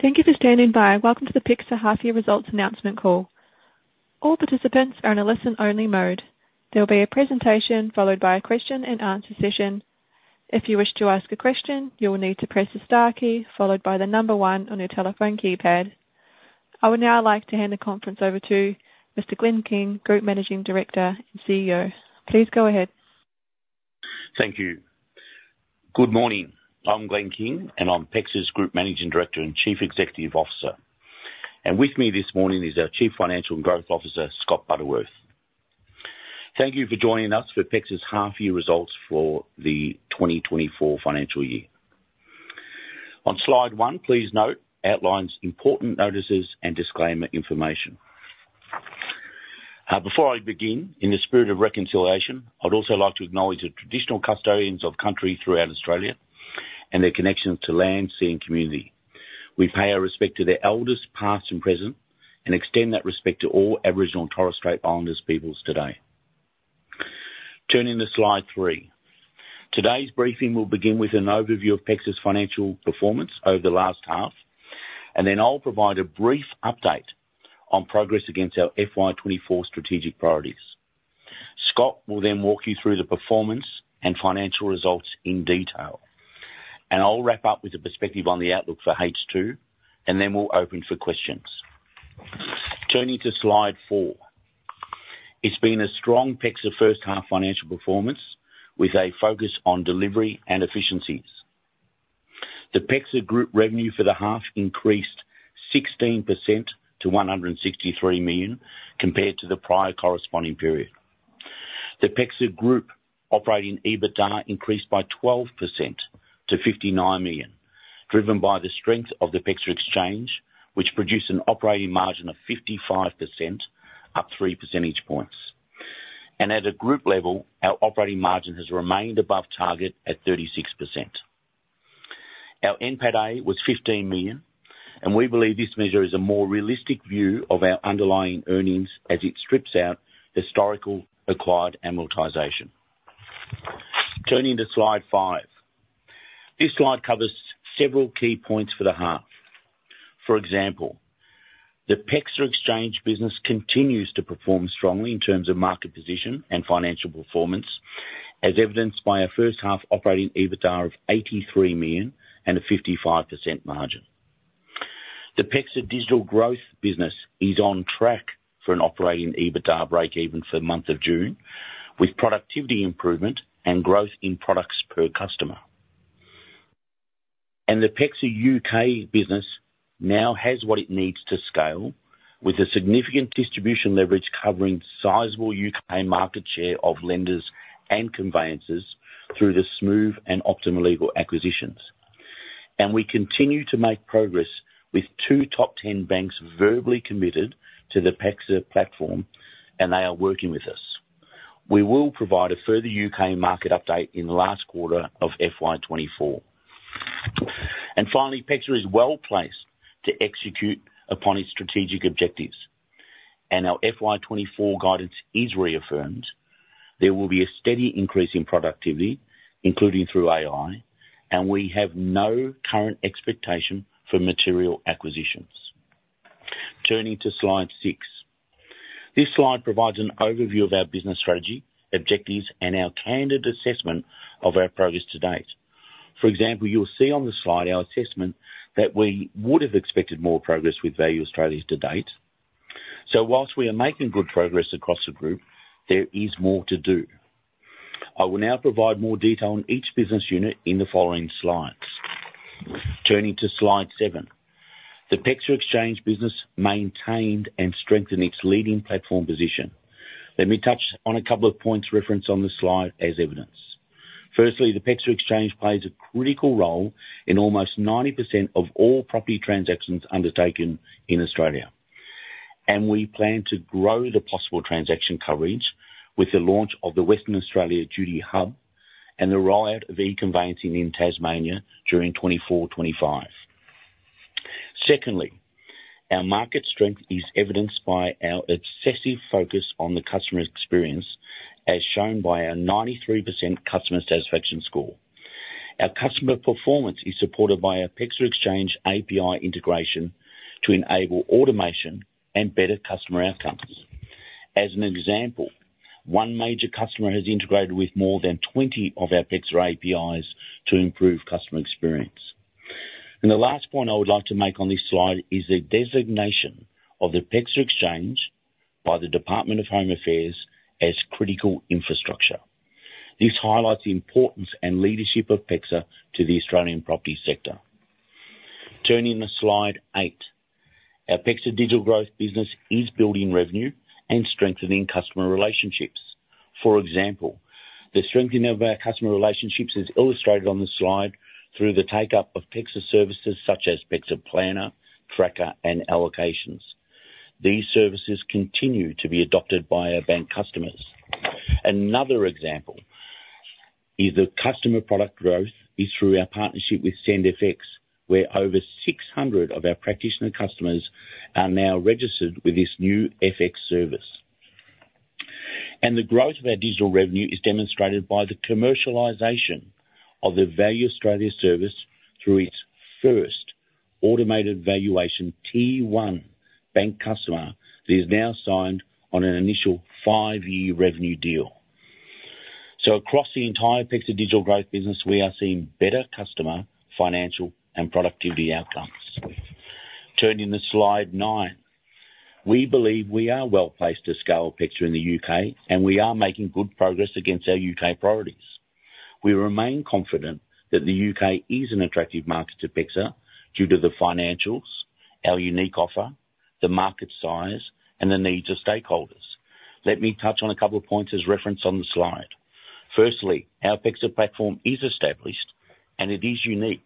Thank you for standing by. Welcome to the PEXA Half-Year Results Announcement Call. All participants are in a listen-only mode. There will be a presentation followed by a question-and-answer session. If you wish to ask a question, you will need to press the star key followed by the number 1 on your telephone keypad. I would now like to hand the conference over to Mr. Glenn King, Group Managing Director and CEO. Please go ahead. Thank you. Good morning. I'm Glenn King, and I'm PEXA's Group Managing Director and Chief Executive Officer. With me this morning is our Chief Financial and Growth Officer, Scott Butterworth. Thank you for joining us for PEXA's Half-Year Results for the 2024 financial year. On slide 1, please note, outlines important notices and disclaimer information. Before I begin, in the spirit of reconciliation, I'd also like to acknowledge the traditional custodians of country throughout Australia and their connections to land, sea, and community. We pay our respect to their elders, past and present, and extend that respect to all Aboriginal and Torres Strait Islander peoples today. Turning to slide three. Today's briefing will begin with an overview of PEXA's financial performance over the last half, and then I'll provide a brief update on progress against our FY 2024 strategic priorities. Scott will then walk you through the performance and financial results in detail, and I'll wrap up with a perspective on the outlook for H2, and then we'll open for questions. Turning to slide four. It's been a strong PEXA first-half financial performance with a focus on delivery and efficiencies. The PEXA Group revenue for the half increased 16% to 163 million compared to the prior corresponding period. The PEXA Group operating EBITDA increased by 12% to 59 million, driven by the strength of the PEXA Exchange, which produced an operating margin of 55%, up 3 percentage points. At a group level, our operating margin has remained above target at 36%. Our NPATA was 15 million, and we believe this measure is a more realistic view of our underlying earnings as it strips out historical acquired amortization. Turning to slide five. This slide covers several key points for the half. For example, the PEXA exchange business continues to perform strongly in terms of market position and financial performance, as evidenced by a first-half operating EBITDA of 83 million and a 55% margin. The PEXA digital growth business is on track for an operating EBITDA break-even for the month of June, with productivity improvement and growth in products per customer. The PEXA U.K. business now has what it needs to scale, with a significant distribution leverage covering sizable U.K. market share of lenders and conveyancers through the Smoove and Optima Legal acquisitions. We continue to make progress with two top 10 banks verbally committed to the PEXA platform, and they are working with us. We will provide a further U.K. market update in the last quarter of FY2024. Finally, PEXA is well placed to execute upon its strategic objectives. Our FY24 guidance is reaffirmed. There will be a steady increase in productivity, including through AI, and we have no current expectation for material acquisitions. Turning to slide six. This slide provides an overview of our business strategy, objectives, and our candid assessment of our progress to date. For example, you'll see on the slide our assessment that we would have expected more progress with Value Australia to date. So while we are making good progress across the group, there is more to do. I will now provide more detail on each business unit in the following slides. Turning to slide seven. The PEXA Exchange business maintained and strengthened its leading platform position. Let me touch on a couple of points referenced on the slide as evidence. Firstly, the PEXA Exchange plays a critical role in almost 90% of all property transactions undertaken in Australia. We plan to grow the possible transaction coverage with the launch of the Western Australia Duty Hub and the rollout of E-conveyancing in Tasmania during 2024/2025. Secondly, our market strength is evidenced by our obsessive focus on the customer experience, as shown by our 93% customer satisfaction score. Our customer performance is supported by our PEXA Exchange API integration to enable automation and better customer outcomes. As an example, one major customer has integrated with more than 20 of our PEXA APIs to improve customer experience. The last point I would like to make on this slide is the designation of the PEXA Exchange by the Department of Home Affairs as Critical Infrastructure. This highlights the importance and leadership of PEXA to the Australian property sector. Turning to slide eight. Our PEXA Digital Growth business is building revenue and strengthening customer relationships. For example, the strengthening of our customer relationships is illustrated on the slide through the take-up of PEXA services such as PEXA Planner, PEXA Tracker, and PEXA Allocations. These services continue to be adopted by our bank customers. Another example is the customer product growth is through our partnership with SendFX, where over 600 of our practitioner customers are now registered with this new FX service. The growth of our digital revenue is demonstrated by the commercialization of the Value Australia service through its first automated valuation T1 bank customer that is now signed on an initial five-year revenue deal. Across the entire PEXA Digital Growth business, we are seeing better customer financial and productivity outcomes. Turning to slide nine. We believe we are well placed to scale PEXA in the U.K., and we are making good progress against our U.K. priorities. We remain confident that the U.K. is an attractive market to PEXA due to the financials, our unique offer, the market size, and the needs of stakeholders. Let me touch on a couple of points as reference on the slide. Firstly, our PEXA platform is established, and it is unique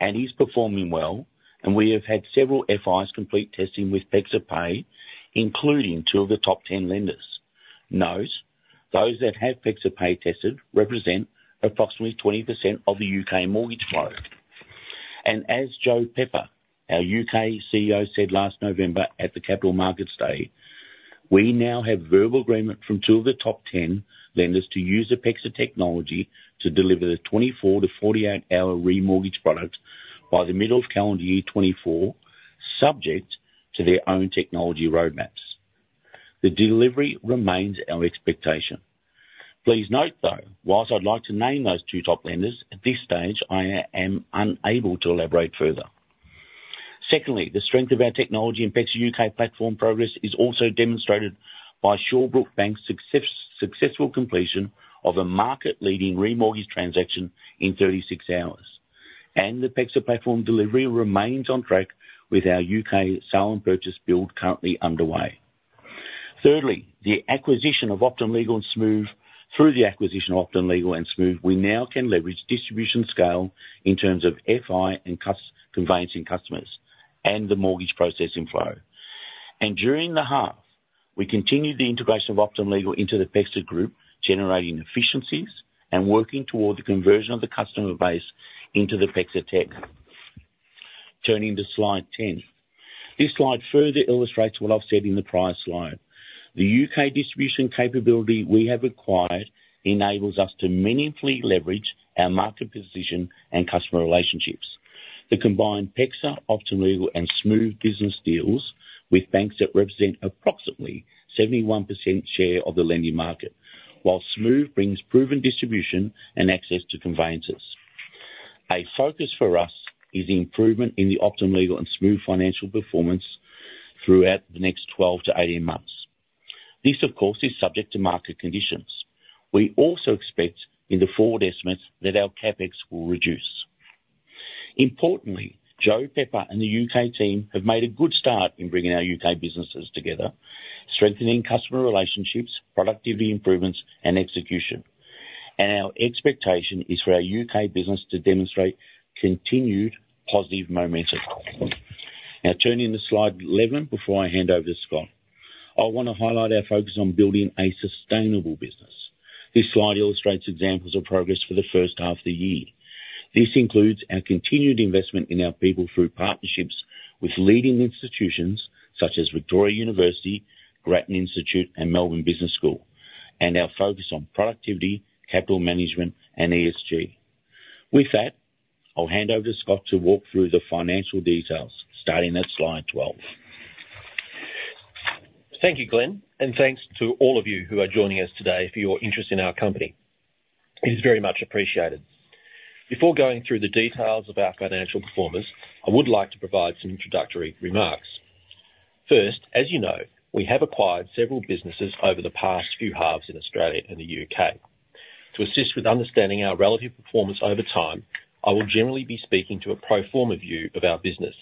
and is performing well, and we have had several FIs complete testing with PEXA Pay, including two of the top 10 lenders. Note, those that have PEXA Pay tested represent approximately 20% of the U.K. mortgage flow. As Joe Pepper, our U.K. CEO, said last November at the Capital Markets Day, we now have verbal agreement from two of the top 10 lenders to use the PEXA technology to deliver the 24-48-hour re-mortgage product by the middle of calendar year 2024, subject to their own technology roadmaps. The delivery remains our expectation. Please note, though, whilst I'd like to name those two top lenders, at this stage, I am unable to elaborate further. Secondly, the strength of our technology and PEXA U.K. platform progress is also demonstrated by Shawbrook Bank's successful completion of a market-leading remortgage transaction in 36 hours. The PEXA platform delivery remains on track with our U.K. sale and purchase build currently underway. Thirdly, the acquisition of Optima Legal and Smoove through the acquisition of Optima Legal and Smoove, we now can leverage distribution scale in terms of FI and conveyancing customers and the mortgage processing flow. During the half, we continued the integration of Optima Legal into the PEXA group, generating efficiencies and working toward the conversion of the customer base into the PEXA tech. Turning to slide 10. This slide further illustrates what I've said in the prior slide. The U.K. distribution capability we have acquired enables us to meaningfully leverage our market position and customer relationships. The combined PEXA, Optima Legal, and Smoove business deals with banks that represent approximately 71% share of the lending market, while Smoove brings proven distribution and access to conveyancers. A focus for us is improvement in the Optima Legal and Smoove financial performance throughout the next 12-18 months. This, of course, is subject to market conditions. We also expect in the forward estimates that our Capex will reduce. Importantly, Joe Pepper and the U.K. team have made a good start in bringing our U.K. businesses together, strengthening customer relationships, productivity improvements, and execution. And our expectation is for our U.K. business to demonstrate continued positive momentum. Now, turning to slide 11 before I hand over to Scott. I want to highlight our focus on building a sustainable business. This slide illustrates examples of progress for the first half of the year. This includes our continued investment in our people through partnerships with leading institutions such as Victoria University, Grattan Institute, and Melbourne Business School, and our focus on productivity, capital management, and ESG. With that, I'll hand over to Scott to walk through the financial details, starting at slide 12. Thank you, Glenn, and thanks to all of you who are joining us today for your interest in our company. It is very much appreciated. Before going through the details of our financial performance, I would like to provide some introductory remarks. First, as you know, we have acquired several businesses over the past few halves in Australia and the U.K. To assist with understanding our relative performance over time, I will generally be speaking to a pro forma view of our business.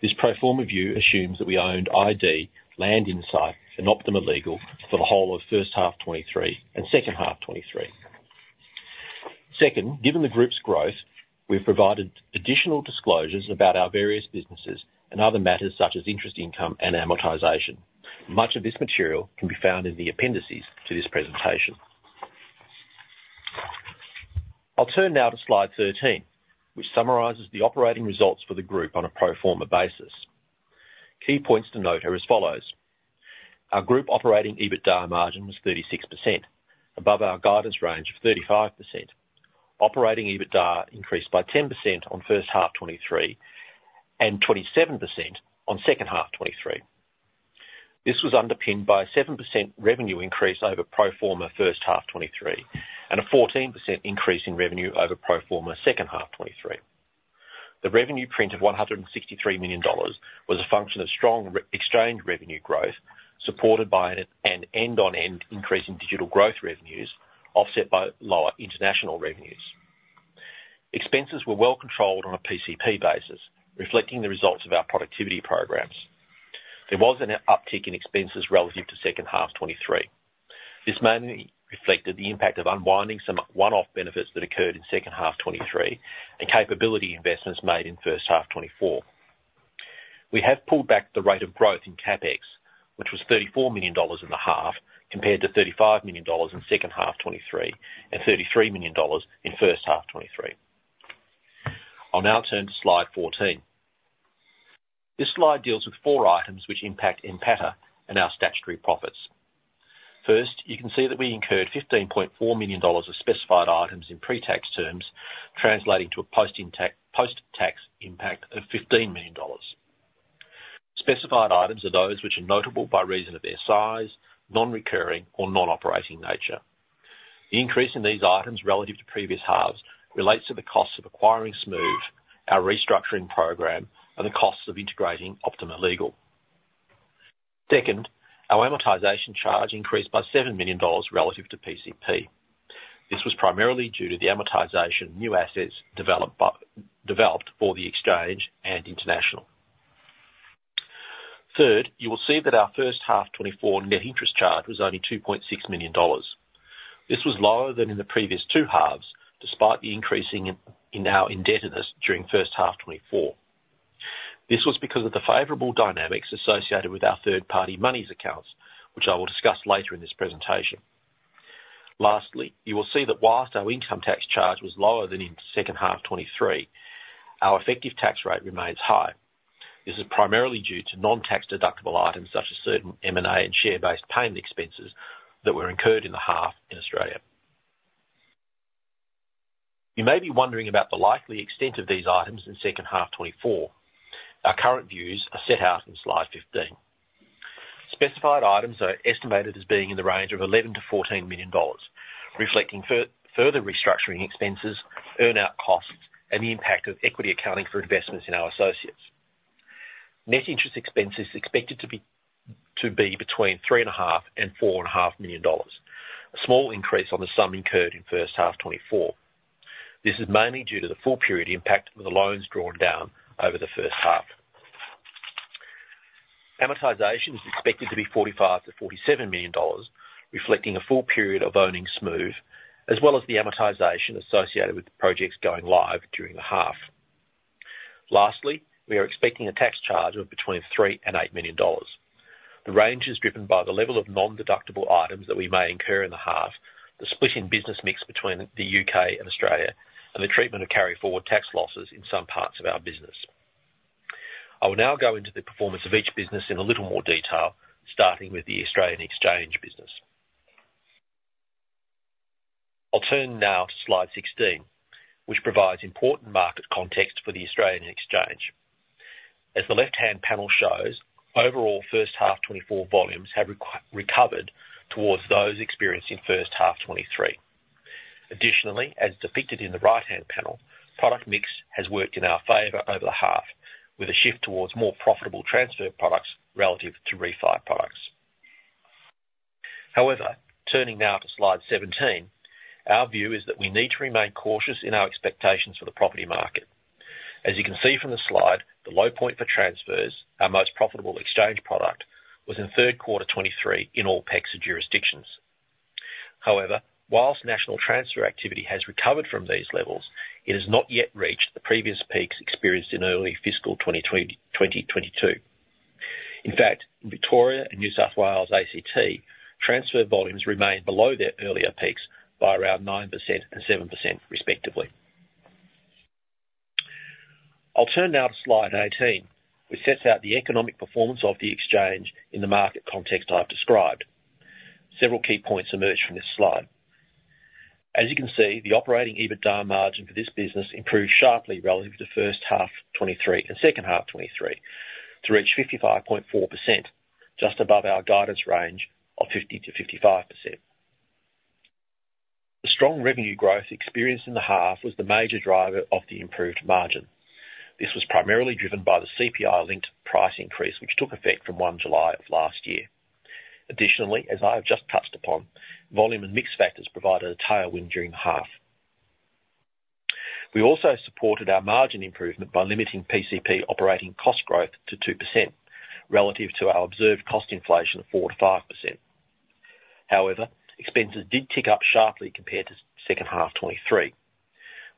This pro forma view assumes that we owned .id, Landchecker, and Optima Legal for the whole of first half 2023 and second half 2023. Second, given the group's growth, we've provided additional disclosures about our various businesses and other matters such as interest income and amortization. Much of this material can be found in the appendices to this presentation. I'll turn now to slide 13, which summarizes the operating results for the group on a pro forma basis. Key points to note are as follows. Our group operating EBITDA margin was 36%, above our guidance range of 35%. Operating EBITDA increased by 10% on first half 2023 and 27% on second half 2023. This was underpinned by a 7% revenue increase over pro forma first half 2023 and a 14% increase in revenue over pro forma second half 2023. The revenue print of 163 million dollars was a function of strong exchange revenue growth supported by an end-on-end increase in digital growth revenues offset by lower international revenues. Expenses were well controlled on a PCP basis, reflecting the results of our productivity programs. There was an uptick in expenses relative to second half 2023. This mainly reflected the impact of unwinding some one-off benefits that occurred in second half 2023 and capability investments made in first half 2024. We have pulled back the rate of growth in Capex, which was 34 million dollars in the half compared to 35 million dollars in second half 2023 and 33 million dollars in first half 2023. I'll now turn to slide 14. This slide deals with four items which impact NPATA and our statutory profits. First, you can see that we incurred 15.4 million dollars of specified items in pre-tax terms, translating to a post-tax impact of 15 million dollars. Specified items are those which are notable by reason of their size, non-recurring, or non-operating nature. The increase in these items relative to previous halves relates to the costs of acquiring Smoove, our restructuring program, and the costs of integrating Optima Legal. Second, our amortization charge increased by 7 million dollars relative to PCP. This was primarily due to the amortization new assets developed for the exchange and international. Third, you will see that our first half 2024 net interest charge was only 2.6 million dollars. This was lower than in the previous two halves despite the increasing in our indebtedness during first half 2024. This was because of the favorable dynamics associated with our third-party monies accounts, which I will discuss later in this presentation. Lastly, you will see that while our income tax charge was lower than in second half 2023, our effective tax rate remains high. This is primarily due to non-tax deductible items such as certain M&A and share-based payment expenses that were incurred in the half in Australia. You may be wondering about the likely extent of these items in second half 2024. Our current views are set out in slide 15. Specified items are estimated as being in the range of AUD 11 million-AUD 14 million, reflecting further restructuring expenses, earn-out costs, and the impact of equity accounting for investments in our associates. Net interest expenses are expected to be between 3.5 million dollars and AUD 4.5 million, a small increase on the sum incurred in first half 2024. This is mainly due to the full period impact of the loans drawn down over the first half. Amortization is expected to be AUD 45 million-AUD 47 million, reflecting a full period of owning Smoove as well as the amortization associated with projects going live during the half. Lastly, we are expecting a tax charge of between 3 million and 8 million dollars. The range is driven by the level of non-deductible items that we may incur in the half, the split in business mix between the U.K. and Australia, and the treatment of carry-forward tax losses in some parts of our business. I will now go into the performance of each business in a little more detail, starting with the Australian exchange business. I'll turn now to slide 16, which provides important market context for the Australian exchange. As the left-hand panel shows, overall first half 2024 volumes have recovered towards those experiencing first half 2023. Additionally, as depicted in the right-hand panel, product mix has worked in our favor over the half with a shift towards more profitable transfer products relative to refi products. However, turning now to slide 17, our view is that we need to remain cautious in our expectations for the property market. As you can see from the slide, the low point for transfers, our most profitable exchange product, was in third quarter 2023 in all PEXA jurisdictions. However, whilst national transfer activity has recovered from these levels, it has not yet reached the previous peaks experienced in early fiscal 2022. In fact, in Victoria and New South Wales, ACT, transfer volumes remain below their earlier peaks by around 9% and 7%, respectively. I'll turn now to slide 18, which sets out the economic performance of the exchange in the market context I've described. Several key points emerge from this slide. As you can see, the operating EBITDA margin for this business improved sharply relative to first half 2023 and second half 2023 to reach 55.4%, just above our guidance range of 50%-55%. The strong revenue growth experienced in the half was the major driver of the improved margin. This was primarily driven by the CPI-linked price increase, which took effect from 1 July of last year. Additionally, as I have just touched upon, volume and mix factors provided a tailwind during the half. We also supported our margin improvement by limiting PCP operating cost growth to 2% relative to our observed cost inflation of 4%-5%. However, expenses did tick up sharply compared to second half 2023.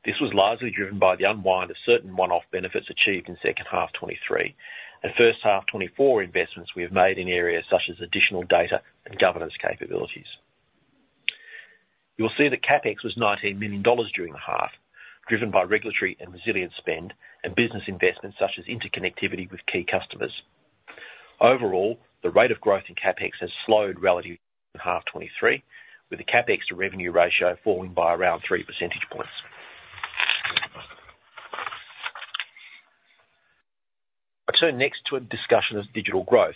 This was largely driven by the unwind of certain one-off benefits achieved in second half 2023 and first half 2024 investments we have made in areas such as additional data and governance capabilities. You will see that Capex was 19 million dollars during the half, driven by regulatory and resilient spend and business investments such as interconnectivity with key customers. Overall, the rate of growth in Capex has slowed relative to half 2023, with the Capex to revenue ratio falling by around three percentage points. I turn next to a discussion of digital growth,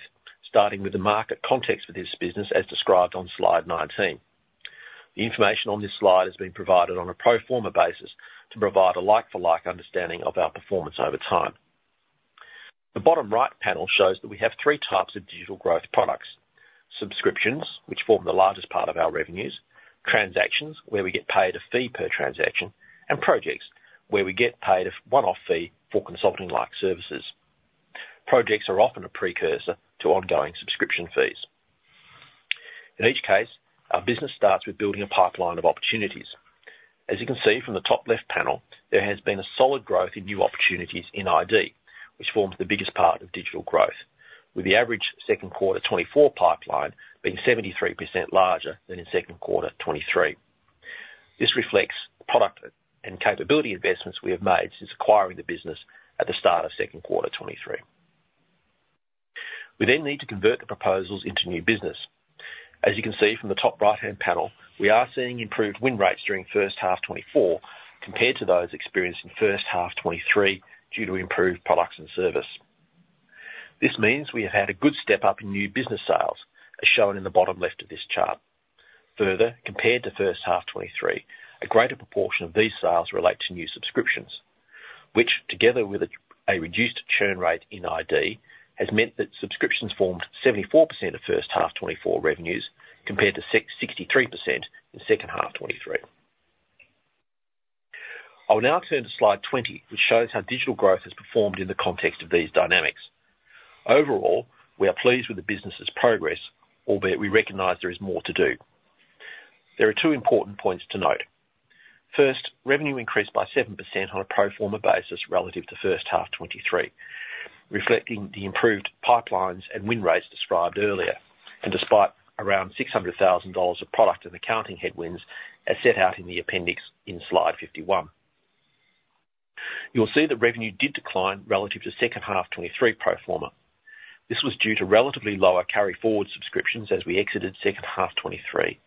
starting with the market context for this business as described on slide 19. The information on this slide has been provided on a pro forma basis to provide a like-for-like understanding of our performance over time. The bottom right panel shows that we have three types of digital growth products: subscriptions, which form the largest part of our revenues, transactions, where we get paid a fee per transaction, and projects, where we get paid a one-off fee for consulting-like services. Projects are often a precursor to ongoing subscription fees. In each case, our business starts with building a pipeline of opportunities. As you can see from the top left panel, there has been a solid growth in new opportunities in .id, which forms the biggest part of digital growth, with the average second quarter 2024 pipeline being 73% larger than in second quarter 2023. This reflects product and capability investments we have made since acquiring the business at the start of second quarter 2023. We then need to convert the proposals into new business. As you can see from the top right-hand panel, we are seeing improved win rates during first half 2024 compared to those experiencing first half 2023 due to improved products and service. This means we have had a good step up in new business sales, as shown in the bottom left of this chart. Further, compared to first half 2023, a greater proportion of these sales relate to new subscriptions, which together with a reduced churn rate in .id has meant that subscriptions formed 74% of first half 2024 revenues compared to 63% in second half 2023. I will now turn to slide 20, which shows how digital growth has performed in the context of these dynamics. Overall, we are pleased with the business's progress, albeit we recognize there is more to do. There are two important points to note. First, revenue increased by 7% on a pro forma basis relative to first half 2023, reflecting the improved pipelines and win rates described earlier and despite around 600,000 dollars of product and accounting headwinds as set out in the appendix in slide 51. You will see that revenue did decline relative to second half 2023 pro forma. This was due to relatively lower carry-forward subscriptions as we exited second half 2023,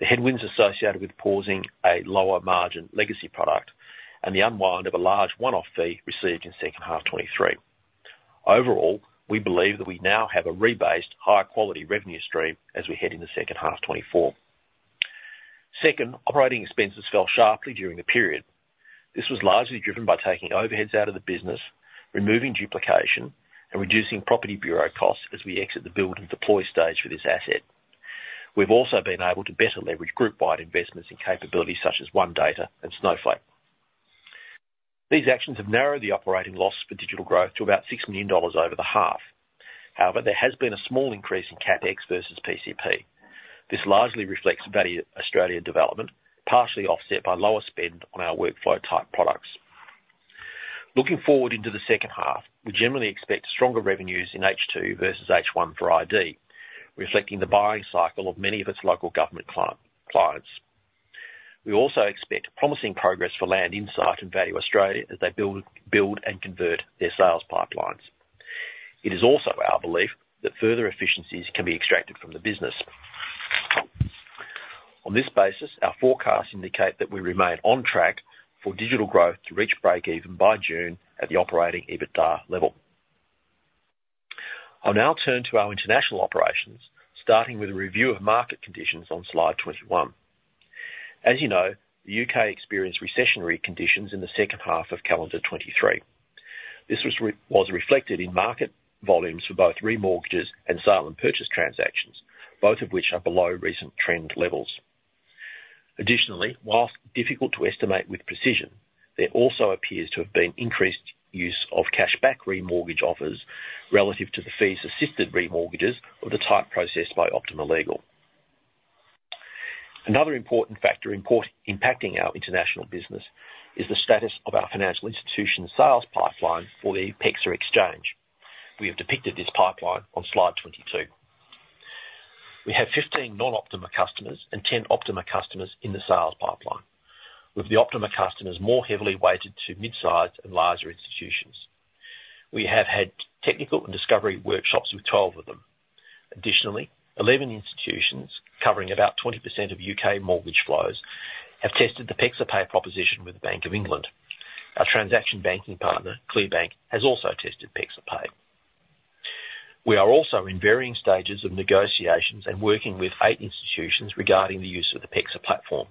the headwinds associated with pausing a lower margin legacy product, and the unwind of a large one-off fee received in second half 2023. Overall, we believe that we now have a rebased, higher-quality revenue stream as we head into second half 2024. Second, operating expenses fell sharply during the period. This was largely driven by taking overheads out of the business, removing duplication, and reducing property bureau costs as we exit the build and deploy stage for this asset. We've also been able to better leverage group-wide investments in capabilities such as OneData and Snowflake. These actions have narrowed the operating loss for digital growth to about 6 million dollars over the half. However, there has been a small increase in CapEx versus PCP. This largely reflects Value Australia development, partially offset by lower spend on our workflow-type products. Looking forward into the second half, we generally expect stronger revenues in H2 versus H1 for .id, reflecting the buying cycle of many of its local government clients. We also expect promising progress for Landchecker and Value Australia as they build and convert their sales pipelines. It is also our belief that further efficiencies can be extracted from the business. On this basis, our forecasts indicate that we remain on track for Digital Growth to reach break-even by June at the operating EBITDA level. I'll now turn to our international operations, starting with a review of market conditions on slide 21. As you know, the U.K. experienced recessionary conditions in the second half of calendar 2023. This was reflected in market volumes for both remortgages and sale and purchase transactions, both of which are below recent trend levels. Additionally, while difficult to estimate with precision, there also appears to have been increased use of cashback remortgage offers relative to the fees assisted remortgages of the type processed by Optima Legal. Another important factor impacting our international business is the status of our financial institution's sales pipeline for the PEXA Exchange. We have depicted this pipeline on slide 22. We have 15 non-Optima customers and 10 Optima customers in the sales pipeline, with the Optima customers more heavily weighted to mid-sized and larger institutions. We have had technical and discovery workshops with 12 of them. Additionally, 11 institutions covering about 20% of U.K. mortgage flows have tested the PEXA Pay proposition with the Bank of England. Our transaction banking partner, ClearBank, has also tested PEXA Pay. We are also in varying stages of negotiations and working with eight institutions regarding the use of the PEXA platform,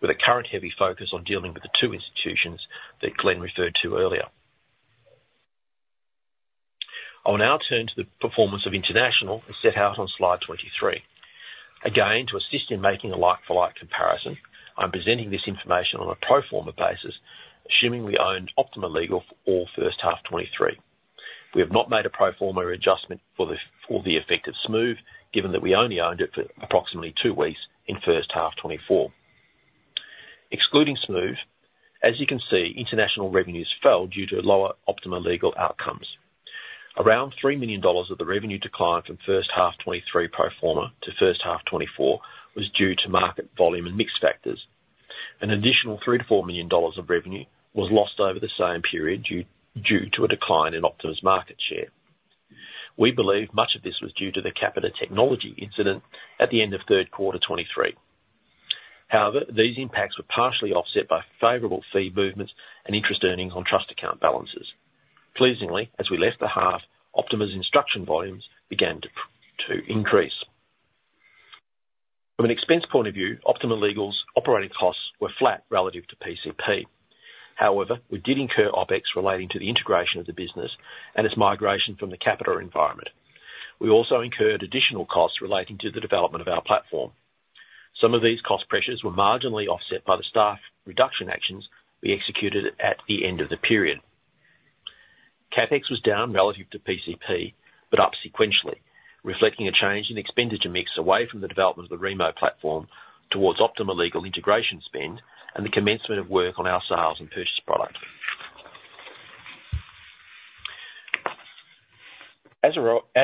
with a current heavy focus on dealing with the two institutions that Glenn referred to earlier. I will now turn to the performance of international, as set out on slide 23. Again, to assist in making a like-for-like comparison, I'm presenting this information on a pro forma basis, assuming we owned Optima Legal for all first half 2023. We have not made a pro forma adjustment for the effect of Smoove, given that we only owned it for approximately two weeks in first half 2024. Excluding Smoove, as you can see, international revenues fell due to lower Optima Legal outcomes. Around 3 million dollars of the revenue declined from first half 2023 pro forma to first half 2024 was due to market volume and mix factors. An additional 3 million-4 million dollars of revenue was lost over the same period due to a decline in Optima Legal's market share. We believe much of this was due to the Capita Technology incident at the end of third quarter 2023. However, these impacts were partially offset by favorable fee movements and interest earnings on trust account balances. Pleasingly, as we left the half, Optima Legal's instruction volumes began to increase. From an expense point of view, Optima Legal's operating costs were flat relative to PCP. However, we did incur opex relating to the integration of the business and its migration from the Capita environment. We also incurred additional costs relating to the development of our platform. Some of these cost pressures were marginally offset by the staff reduction actions we executed at the end of the period. CapEx was down relative to PCP but up sequentially, reflecting a change in expenditure mix away from the development of the Remo platform towards Optima Legal integration spend and the commencement of work on our sales and purchase product. As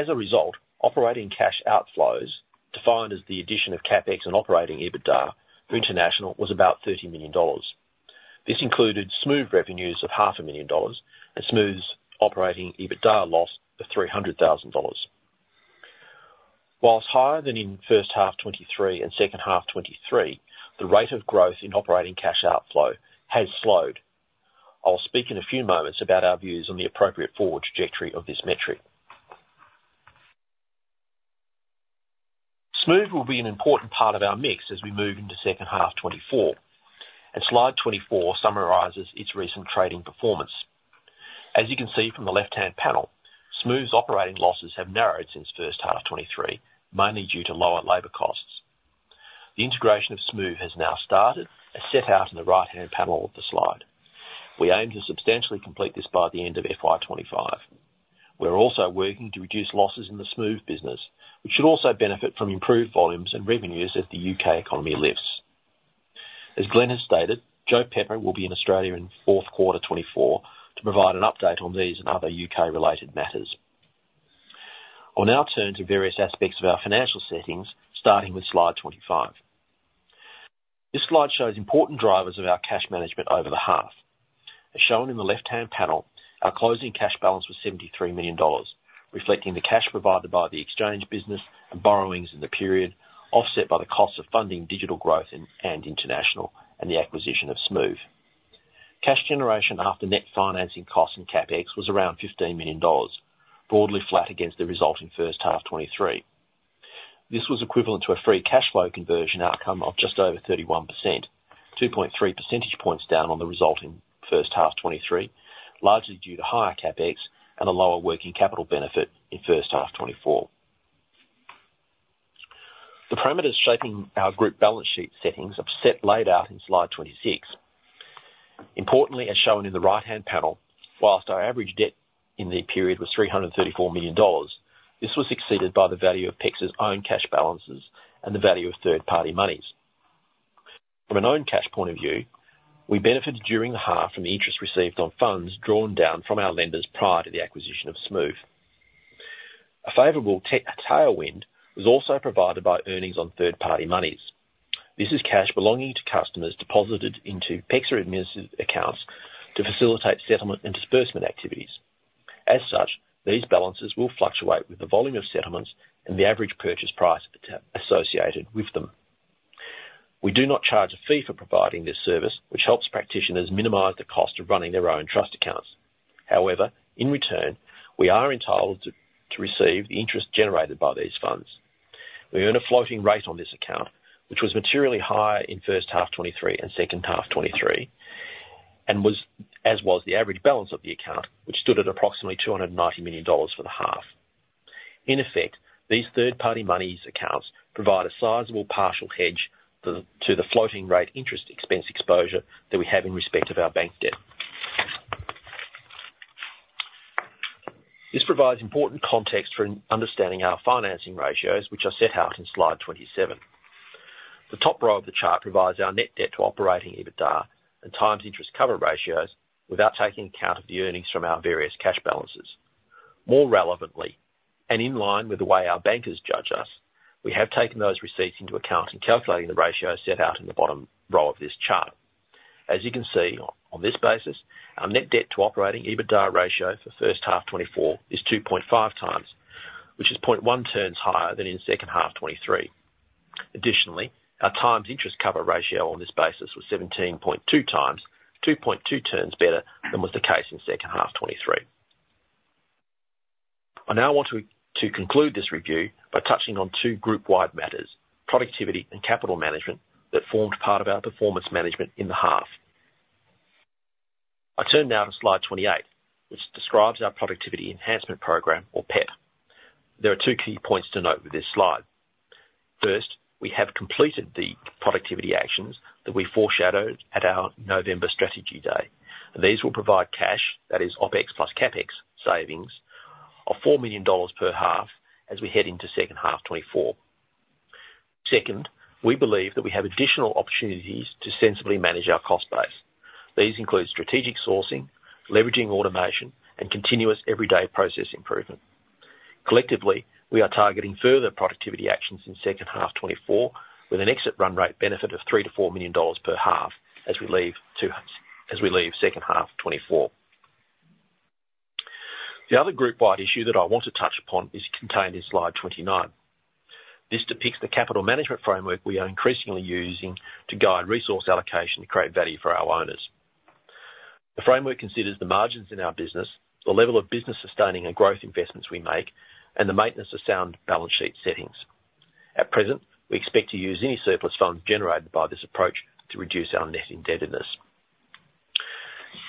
a result, operating cash outflows defined as the addition of CapEx and operating EBITDA for international was about 30 million dollars. This included Smoove revenues of 500,000 dollars and Smoove's operating EBITDA loss of 300,000 dollars. While higher than in first half 2023 and second half 2023, the rate of growth in operating cash outflow has slowed. I will speak in a few moments about our views on the appropriate forward trajectory of this metric. Smoove will be an important part of our mix as we move into second half 2024, and slide 24 summarizes its recent trading performance. As you can see from the left-hand panel, Smoove's operating losses have narrowed since first half 2023, mainly due to lower labor costs. The integration of Smoove has now started as set out in the right-hand panel of the slide. We aim to substantially complete this by the end of FY 2025. We are also working to reduce losses in the Smoove business, which should also benefit from improved volumes and revenues as the U.K. economy lifts. As Glenn has stated, Joe Pepper will be in Australia in fourth quarter 2024 to provide an update on these and other U.K.-related matters. I will now turn to various aspects of our financial settings, starting with slide 25. This slide shows important drivers of our cash management over the half. As shown in the left-hand panel, our closing cash balance was 73 million dollars, reflecting the cash provided by the exchange business and borrowings in the period, offset by the costs of funding digital growth and international and the acquisition of Smoove. Cash generation after net financing costs and Capex was around 15 million dollars, broadly flat against the resulting first half 2023. This was equivalent to a free cash flow conversion outcome of just over 31%, 2.3 percentage points down on the resulting first half 2023, largely due to higher Capex and a lower working capital benefit in first half 2024. The parameters shaping our group balance sheet settings are set laid out in slide 26. Importantly, as shown in the right-hand panel, while our average debt in the period was 334 million dollars, this was exceeded by the value of PEXA's own cash balances and the value of third-party monies. From an own cash point of view, we benefited during the half from the interest received on funds drawn down from our lenders prior to the acquisition of Smoove. A favorable tailwind was also provided by earnings on third-party monies. This is cash belonging to customers deposited into PEXA administrative accounts to facilitate settlement and disbursement activities. As such, these balances will fluctuate with the volume of settlements and the average purchase price associated with them. We do not charge a fee for providing this service, which helps practitioners minimize the cost of running their own trust accounts. However, in return, we are entitled to receive the interest generated by these funds. We earn a floating rate on this account, which was materially higher in first half 2023 and second half 2023, as was the average balance of the account, which stood at approximately 290 million dollars for the half. In effect, these third-party monies accounts provide a sizable partial hedge to the floating rate interest expense exposure that we have in respect of our bank debt. This provides important context for understanding our financing ratios, which are set out in slide 27. The top row of the chart provides our net debt to operating EBITDA and times interest cover ratios without taking account of the earnings from our various cash balances. More relevantly and in line with the way our bankers judge us, we have taken those receipts into account and calculated the ratios set out in the bottom row of this chart. As you can see, on this basis, our net debt to operating EBITDA ratio for first half 2024 is 2.5 times, which is 0.1 turns higher than in second half 2023. Additionally, our times interest cover ratio on this basis was 17.2 times, 2.2 turns better than was the case in second half 2023. I now want to conclude this review by touching on two group-wide matters, productivity and capital management, that formed part of our performance management in the half. I turn now to slide 28, which describes our productivity enhancement program or PEP. There are two key points to note with this slide. First, we have completed the productivity actions that we foreshadowed at our November strategy day. These will provide cash, that is, OpEx plus CapEx savings of 4 million dollars per half as we head into second half 2024. Second, we believe that we have additional opportunities to sensibly manage our cost base. These include strategic sourcing, leveraging automation, and continuous everyday process improvement. Collectively, we are targeting further productivity actions in second half 2024 with an exit run rate benefit of 3 million-4 million dollars per half as we leave second half 2024. The other group-wide issue that I want to touch upon is contained in slide 29. This depicts the capital management framework we are increasingly using to guide resource allocation to create value for our owners. The framework considers the margins in our business, the level of business sustaining and growth investments we make, and the maintenance of sound balance sheet settings. At present, we expect to use any surplus funds generated by this approach to reduce our net indebtedness.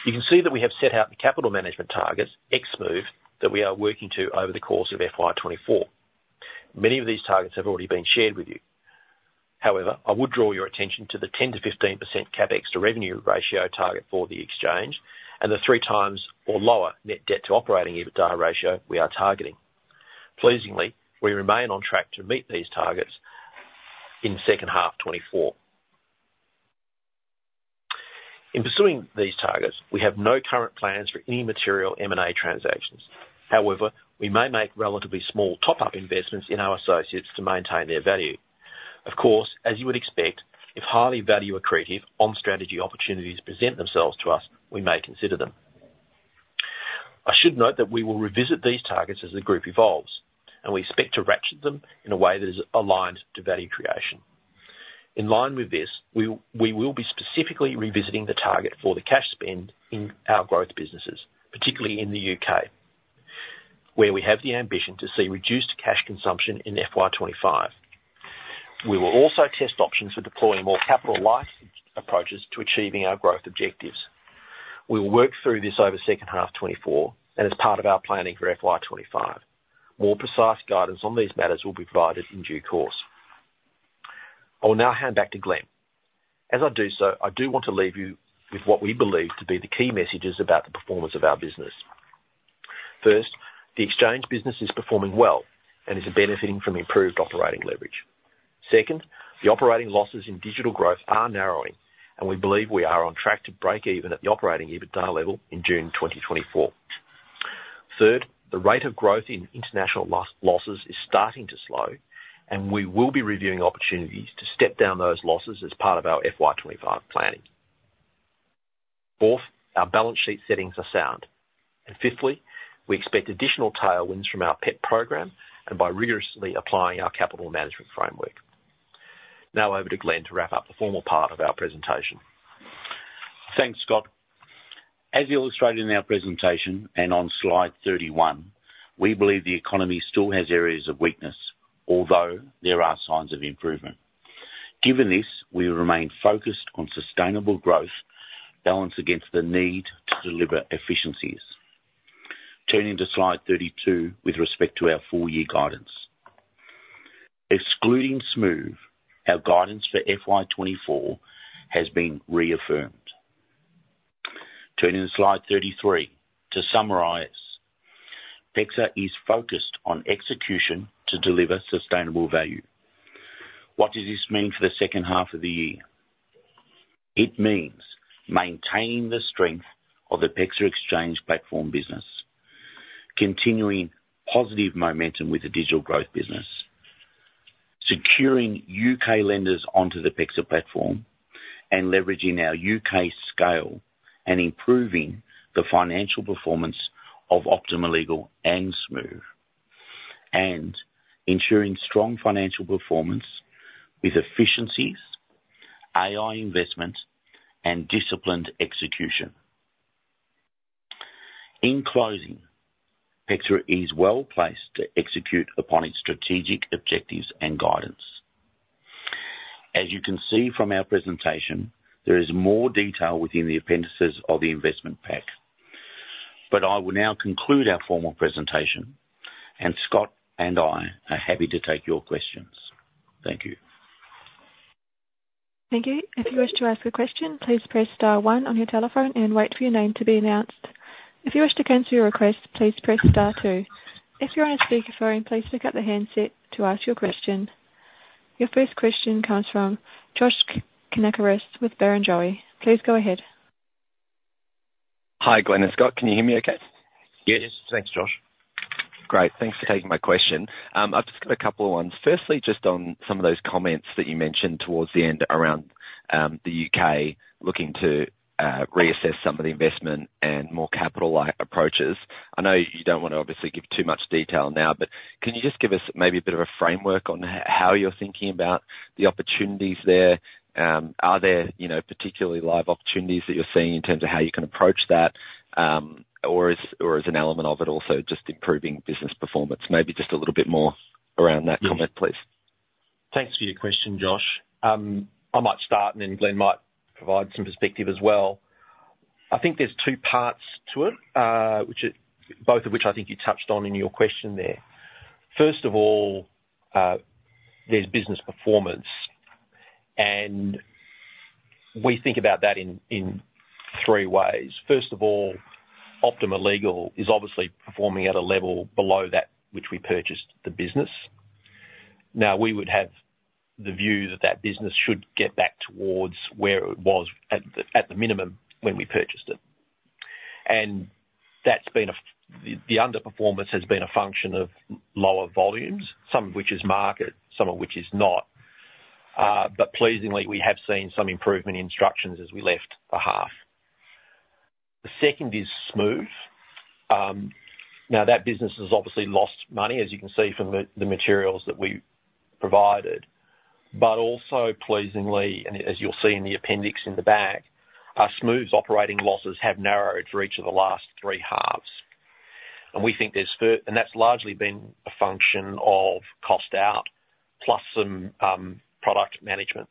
You can see that we have set out the capital management targets, ex-Smoove, that we are working to over the course of FY2024. Many of these targets have already been shared with you. However, I would draw your attention to the 10%-15% Capex to revenue ratio target for the exchange and the 3x or lower net debt to operating EBITDA ratio we are targeting. Pleasingly, we remain on track to meet these targets in second half 2024. In pursuing these targets, we have no current plans for any material M&A transactions. However, we may make relatively small top-up investments in our associates to maintain their value. Of course, as you would expect, if highly value accretive on-strategy opportunities present themselves to us, we may consider them. I should note that we will revisit these targets as the group evolves, and we expect to ratchet them in a way that is aligned to value creation. In line with this, we will be specifically revisiting the target for the cash spend in our growth businesses, particularly in the U.K., where we have the ambition to see reduced cash consumption in FY2025. We will also test options for deploying more capital-like approaches to achieving our growth objectives. We will work through this over second half 2024 and as part of our planning for FY2025. More precise guidance on these matters will be provided in due course. I will now hand back to Glenn. As I do so, I do want to leave you with what we believe to be the key messages about the performance of our business. First, the exchange business is performing well and is benefiting from improved operating leverage. Second, the operating losses in Digital Growth are narrowing, and we believe we are on track to break even at the operating EBITDA level in June 2024. Third, the rate of growth in international losses is starting to slow, and we will be reviewing opportunities to step down those losses as part of our FY2025 planning. Fourth, our balance sheet settings are sound. And fifthly, we expect additional tailwinds from our PEP program and by rigorously applying our capital management framework. Now over to Glenn to wrap up the formal part of our presentation. Thanks, Scott. As you illustrated in our presentation and on slide 31, we believe the economy still has areas of weakness, although there are signs of improvement. Given this, we remain focused on sustainable growth balanced against the need to deliver efficiencies. Turning to slide 32 with respect to our four-year guidance. Excluding Smoove, our guidance for FY2024 has been reaffirmed. Turning to Slide 33 to summarize, PEXA is focused on execution to deliver sustainable value. What does this mean for the second half of the year? It means maintaining the strength of the PEXA Exchange platform business, continuing positive momentum with the digital growth business, securing U.K. lenders onto the PEXA platform, and leveraging our U.K. scale and improving the financial performance of Optima Legal and Smoove, and ensuring strong financial performance with efficiencies, AI investment, and disciplined execution. In closing, PEXA is well placed to execute upon its strategic objectives and guidance. As you can see from our presentation, there is more detail within the appendices of the investment pack. But I will now conclude our formal presentation, and Scott and I are happy to take your questions. Thank you. Thank you. If you wish to ask a question, please press star one on your telephone and wait for your name to be announced. If you wish to cancel your request, please press star two. If you're on a speakerphone, please pick up the handset to ask your question. Your first question comes from Josh Kannourakis with Barrenjoey. Please go ahead. Hi, Glenn and Scott. Can you hear me okay? Yes. Thanks, Josh. Great. Thanks for taking my question. I've just got a couple of ones. Firstly, just on some of those comments that you mentioned towards the end around the U.K. looking to reassess some of the investment and more capital-like approaches. I know you don't want to obviously give too much detail now, but can you just give us maybe a bit of a framework on how you're thinking about the opportunities there? Are there particularly live opportunities that you're seeing in terms of how you can approach that, or is an element of it also just improving business performance? Maybe just a little bit more around that comment, please. Thanks for your question, Josh. I might start, and then Glenn might provide some perspective as well. I think there's two parts to it, both of which I think you touched on in your question there. First of all, there's business performance, and we think about that in three ways. First of all, Optima Legal is obviously performing at a level below that which we purchased the business. Now, we would have the view that that business should get back towards where it was at the minimum when we purchased it. And the underperformance has been a function of lower volumes, some of which is market, some of which is not. But pleasingly, we have seen some improvement in instructions as we left the half. The second is Smoove. Now, that business has obviously lost money, as you can see from the materials that we provided. But also, pleasingly, and as you'll see in the appendix in the back, Smoove's operating losses have narrowed for each of the last three halves. And we think that's largely been a function of cost out plus some product management.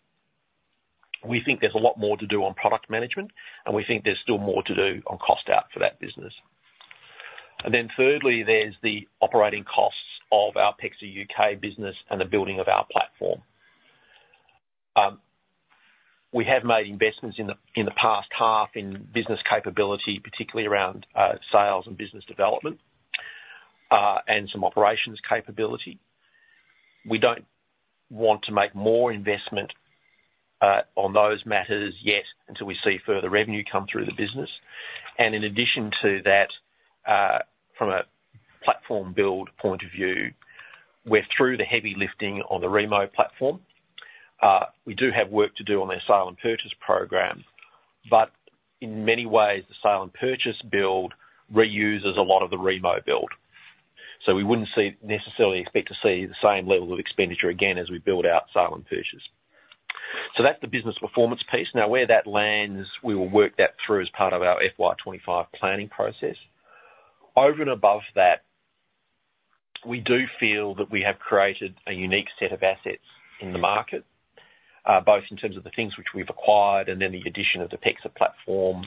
We think there's a lot more to do on product management, and we think there's still more to do on cost out for that business. And then thirdly, there's the operating costs of our PEXA U.K. business and the building of our platform. We have made investments in the past half in business capability, particularly around sales and business development and some operations capability. We don't want to make more investment on those matters yet until we see further revenue come through the business. And in addition to that, from a platform build point of view, we're through the heavy lifting on the Remo platform. We do have work to do on their sale and purchase program, but in many ways, the sale and purchase build reuses a lot of the Remo build. So we wouldn't necessarily expect to see the same level of expenditure again as we build out sale and purchase. So that's the business performance piece. Now, where that lands, we will work that through as part of our FY2025 planning process. Over and above that, we do feel that we have created a unique set of assets in the market, both in terms of the things which we've acquired and then the addition of the PEXA platform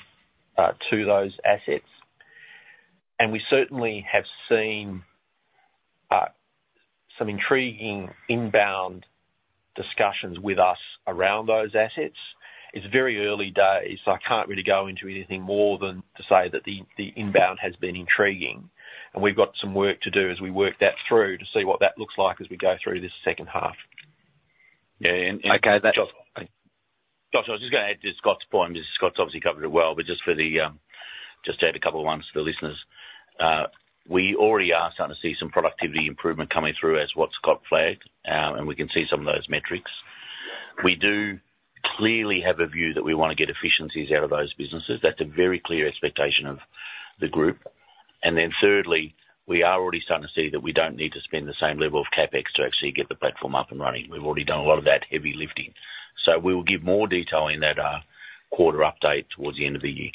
to those assets. We certainly have seen some intriguing inbound discussions with us around those assets. It's very early days, so I can't really go into anything more than to say that the inbound has been intriguing. And we've got some work to do as we work that through to see what that looks like as we go through this second half. Yeah. And Josh, I was just going to add to Scott's point because Scott's obviously covered it well, but just to add a couple of ones for the listeners. We already are starting to see some productivity improvement coming through as what Scott flagged, and we can see some of those metrics. We do clearly have a view that we want to get efficiencies out of those businesses. That's a very clear expectation of the group. And then thirdly, we are already starting to see that we don't need to spend the same level of CapEx to actually get the platform up and running. We've already done a lot of that heavy lifting. So we will give more detail in that quarter update towards the end of the year.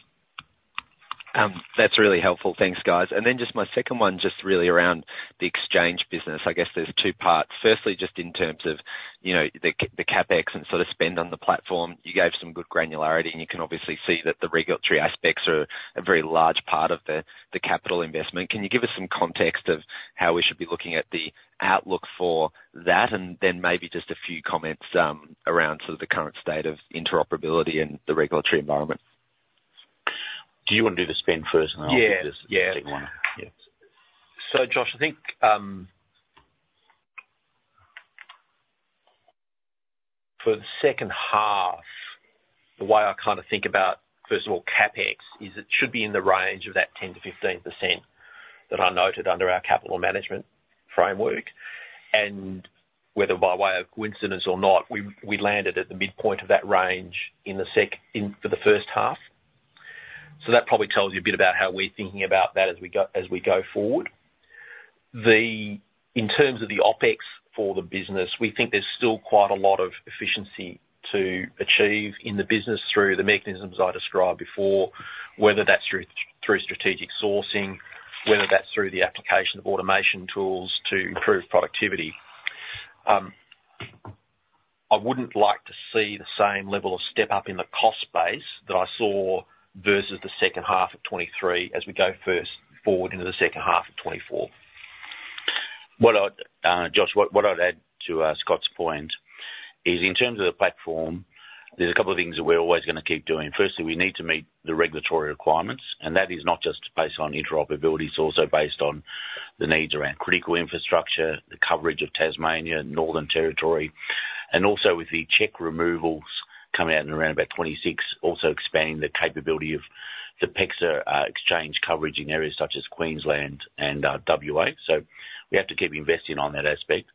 That's really helpful. Thanks, guys. And then just my second one, just really around the exchange business, I guess there's two parts. Firstly, just in terms of the CapEx and sort of spend on the platform, you gave some good granularity, and you can obviously see that the regulatory aspects are a very large part of the capital investment. Can you give us some context of how we should be looking at the outlook for that and then maybe just a few comments around sort of the current state of interoperability and the regulatory environment? Do you want to do the spend first, and then I'll do the second one? Yeah. Yeah. Yeah. So, Josh, I think for the second half, the way I kind of think about, first of all, CapEx is it should be in the range of that 10%-15% that I noted under our capital management framework. And whether by way of coincidence or not, we landed at the midpoint of that range for the first half. So that probably tells you a bit about how we're thinking about that as we go forward. In terms of the OpEx for the business, we think there's still quite a lot of efficiency to achieve in the business through the mechanisms I described before, whether that's through strategic sourcing, whether that's through the application of automation tools to improve productivity. I wouldn't like to see the same level of step up in the cost base that I saw versus the second half of 2023 as we go forward into the second half of 2024. Josh, what I'd add to Scott's point is in terms of the platform, there's a couple of things that we're always going to keep doing. Firstly, we need to meet the regulatory requirements, and that is not just based on interoperability. It's also based on the needs around critical infrastructure, the coverage of Tasmania, Northern Territory, and also with the cheque removals coming out in around about 2026, also expanding the capability of the PEXA Exchange coverage in areas such as Queensland and WA. So we have to keep investing on that aspect.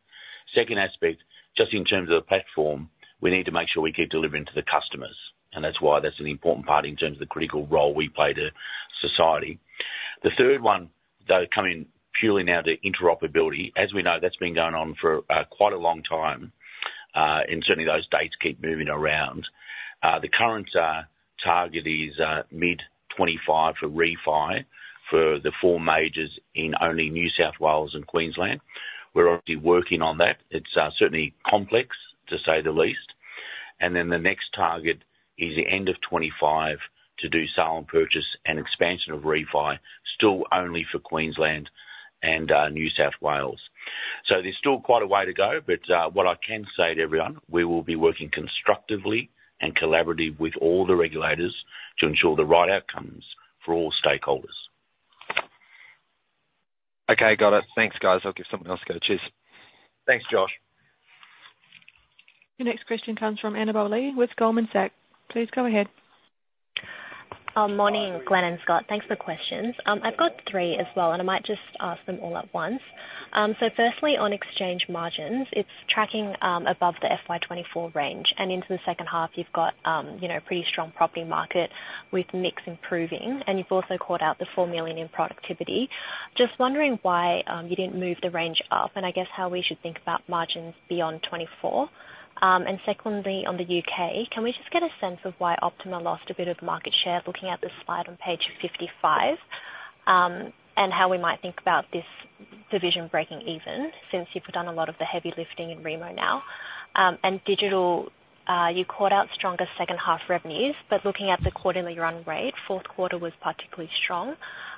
Second aspect, just in terms of the platform, we need to make sure we keep delivering to the customers. And that's why that's an important part in terms of the critical role we play to society. The third one, though, coming purely now to interoperability, as we know, that's been going on for quite a long time, and certainly those dates keep moving around. The current target is mid-2025 for refi for the four majors in only New South Wales and Queensland. We're obviously working on that. It's certainly complex, to say the least. And then the next target is the end of 2025 to do sale and purchase and expansion of refi still only for Queensland and New South Wales. So there's still quite a way to go. But what I can say to everyone, we will be working constructively and collaboratively with all the regulators to ensure the right outcomes for all stakeholders. Okay. Got it. Thanks, guys. I'll give something else to go. Cheers. Thanks, Josh. Your next question comes from Annabel Li with Goldman Sachs. Please go ahead. Morning, Glenn and Scott. Thanks for the questions. I've got three as well, and I might just ask them all at once. So firstly, on exchange margins, it's tracking above the FY 2024 range. And into the second half, you've got a pretty strong property market with mix improving. And you've also caught out the 4 million in productivity. Just wondering why you didn't move the range up and I guess how we should think about margins beyond 2024. And secondly, on the U.K., can we just get a sense of why Optima have lost a bit of market share looking at the slide on page 55 and how we might think about this division breaking even since you've done a lot of the heavy lifting in Remo now? And digital, you caught out stronger second-half revenues, but looking at the quarterly run rate, fourth quarter was particularly strong,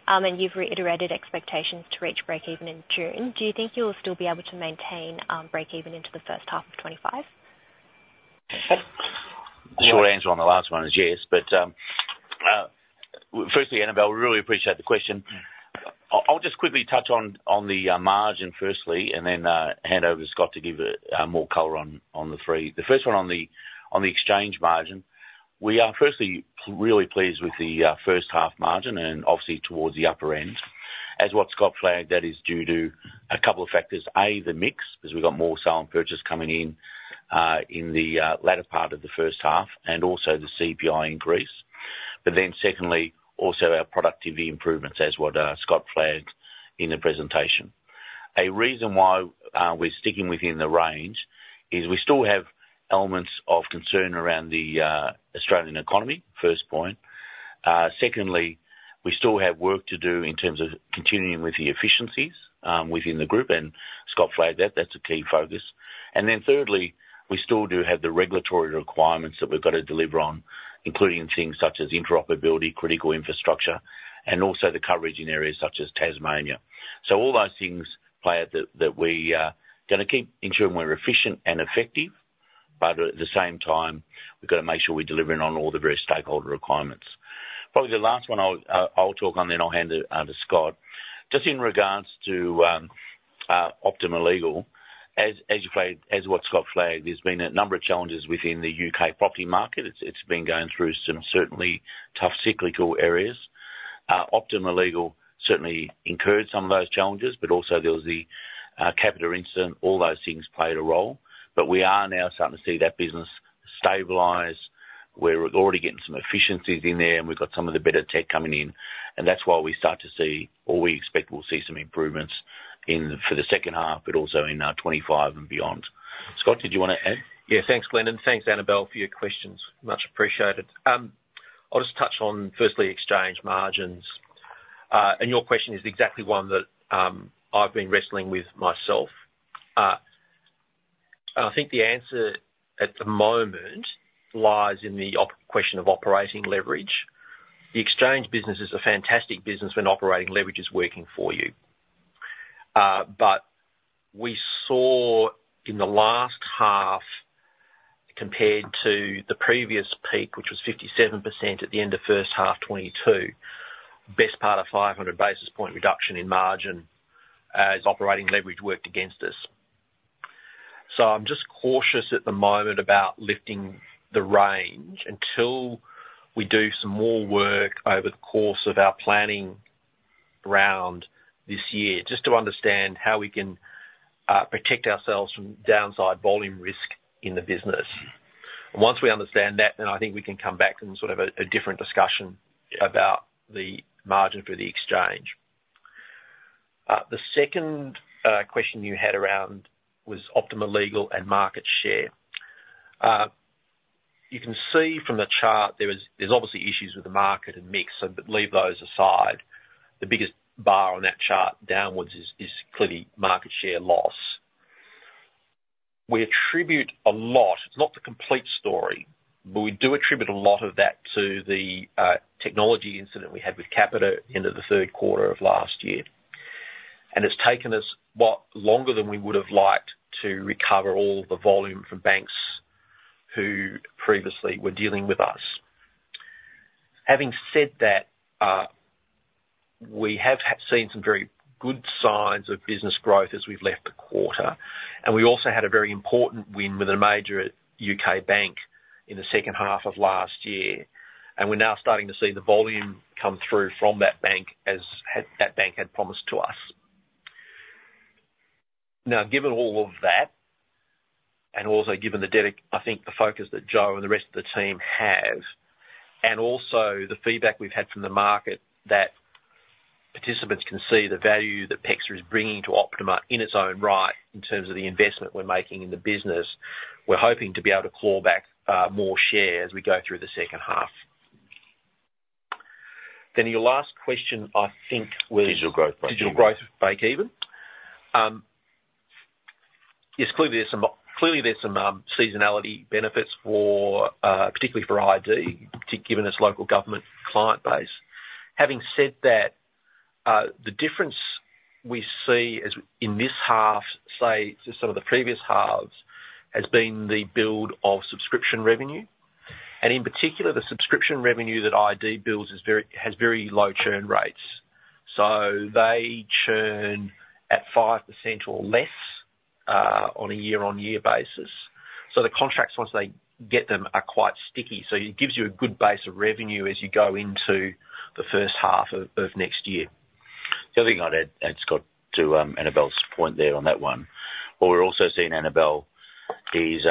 and you've reiterated expectations to reach break-even in June. Do you think you'll still be able to maintain break-even into the first half of 2025? Sure, answer on the last one is yes. But firstly, Annabel, we really appreciate the question. I'll just quickly touch on the margin, firstly, and then hand over to Scott to give more color on the three. The first one, on the exchange margin, we are firstly really pleased with the first-half margin and obviously towards the upper end. As what Scott flagged, that is due to a couple of factors. A, the mix because we've got more sale and purchase coming in in the latter part of the first half and also the CPI increase. But then secondly, also our productivity improvements as what Scott flagged in the presentation. A reason why we're sticking within the range is we still have elements of concern around the Australian economy, first point. Secondly, we still have work to do in terms of continuing with the efficiencies within the group, and Scott flagged that. That's a key focus. And then thirdly, we still do have the regulatory requirements that we've got to deliver on, including things such as interoperability, critical infrastructure, and also the coverage in areas such as Tasmania. So all those things play out that we're going to keep ensuring we're efficient and effective, but at the same time, we've got to make sure we're delivering on all the various stakeholder requirements. Probably the last one I'll talk on, then I'll hand it to Scott. Just in regards to Optima Legal, as what Scott flagged, there's been a number of challenges within the U.K. property market. It's been going through some certainly tough cyclical areas. Optima Legal certainly incurred some of those challenges, but also there was the Capita incident. All those things played a role. But we are now starting to see that business stabilize. We're already getting some efficiencies in there, and we've got some of the better tech coming in. And that's why we start to see or we expect we'll see some improvements for the second half, but also in 2025 and beyond. Scott, did you want to add? Yeah. Thanks, Glenn, and thanks, Annabel, for your questions. Much appreciated. I'll just touch on, firstly, exchange margins. And your question is exactly one that I've been wrestling with myself. I think the answer at the moment lies in the question of operating leverage. The exchange business is a fantastic business when operating leverage is working for you. But we saw in the last half compared to the previous peak, which was 57% at the end of first half 2022, best part of 500 basis point reduction in margin as operating leverage worked against us. So I'm just cautious at the moment about lifting the range until we do some more work over the course of our planning round this year just to understand how we can protect ourselves from downside volume risk in the business. And once we understand that, then I think we can come back and sort of have a different discussion about the margin for the exchange. The second question you had around was Optima Legal and market share. You can see from the chart, there's obviously issues with the market and mix, but leave those aside. The biggest bar on that chart downwards is clearly market share loss. We attribute a lot; it's not the complete story, but we do attribute a lot of that to the technology incident we had with Capita at the end of the third quarter of last year. And it's taken us longer than we would have liked to recover all the volume from banks who previously were dealing with us. Having said that, we have seen some very good signs of business growth as we've left the quarter. And we also had a very important win with a major U.K. bank in the second half of last year. And we're now starting to see the volume come through from that bank as that bank had promised to us. Now, given all of that and also given the debt, I think, the focus that Joe and the rest of the team have and also the feedback we've had from the market that participants can see the value that PEXA is bringing to Optima in its own right in terms of the investment we're making in the business, we're hoping to be able to claw back more share as we go through the second half. Then your last question, I think, was digital growth break-even? Yes. Clearly, there's some seasonality benefits, particularly for ID, given its local government client base. Having said that, the difference we see in this half, say, to some of the previous halves, has been the build of subscription revenue. And in particular, the subscription revenue that ID builds has very low churn rates. So they churn at 5% or less on a year-on-year basis. The contracts, once they get them, are quite sticky. It gives you a good base of revenue as you go into the first half of next year. The other thing I'd add, Scott, to Annabel's point there on that one, what we're also seeing, Annabel, is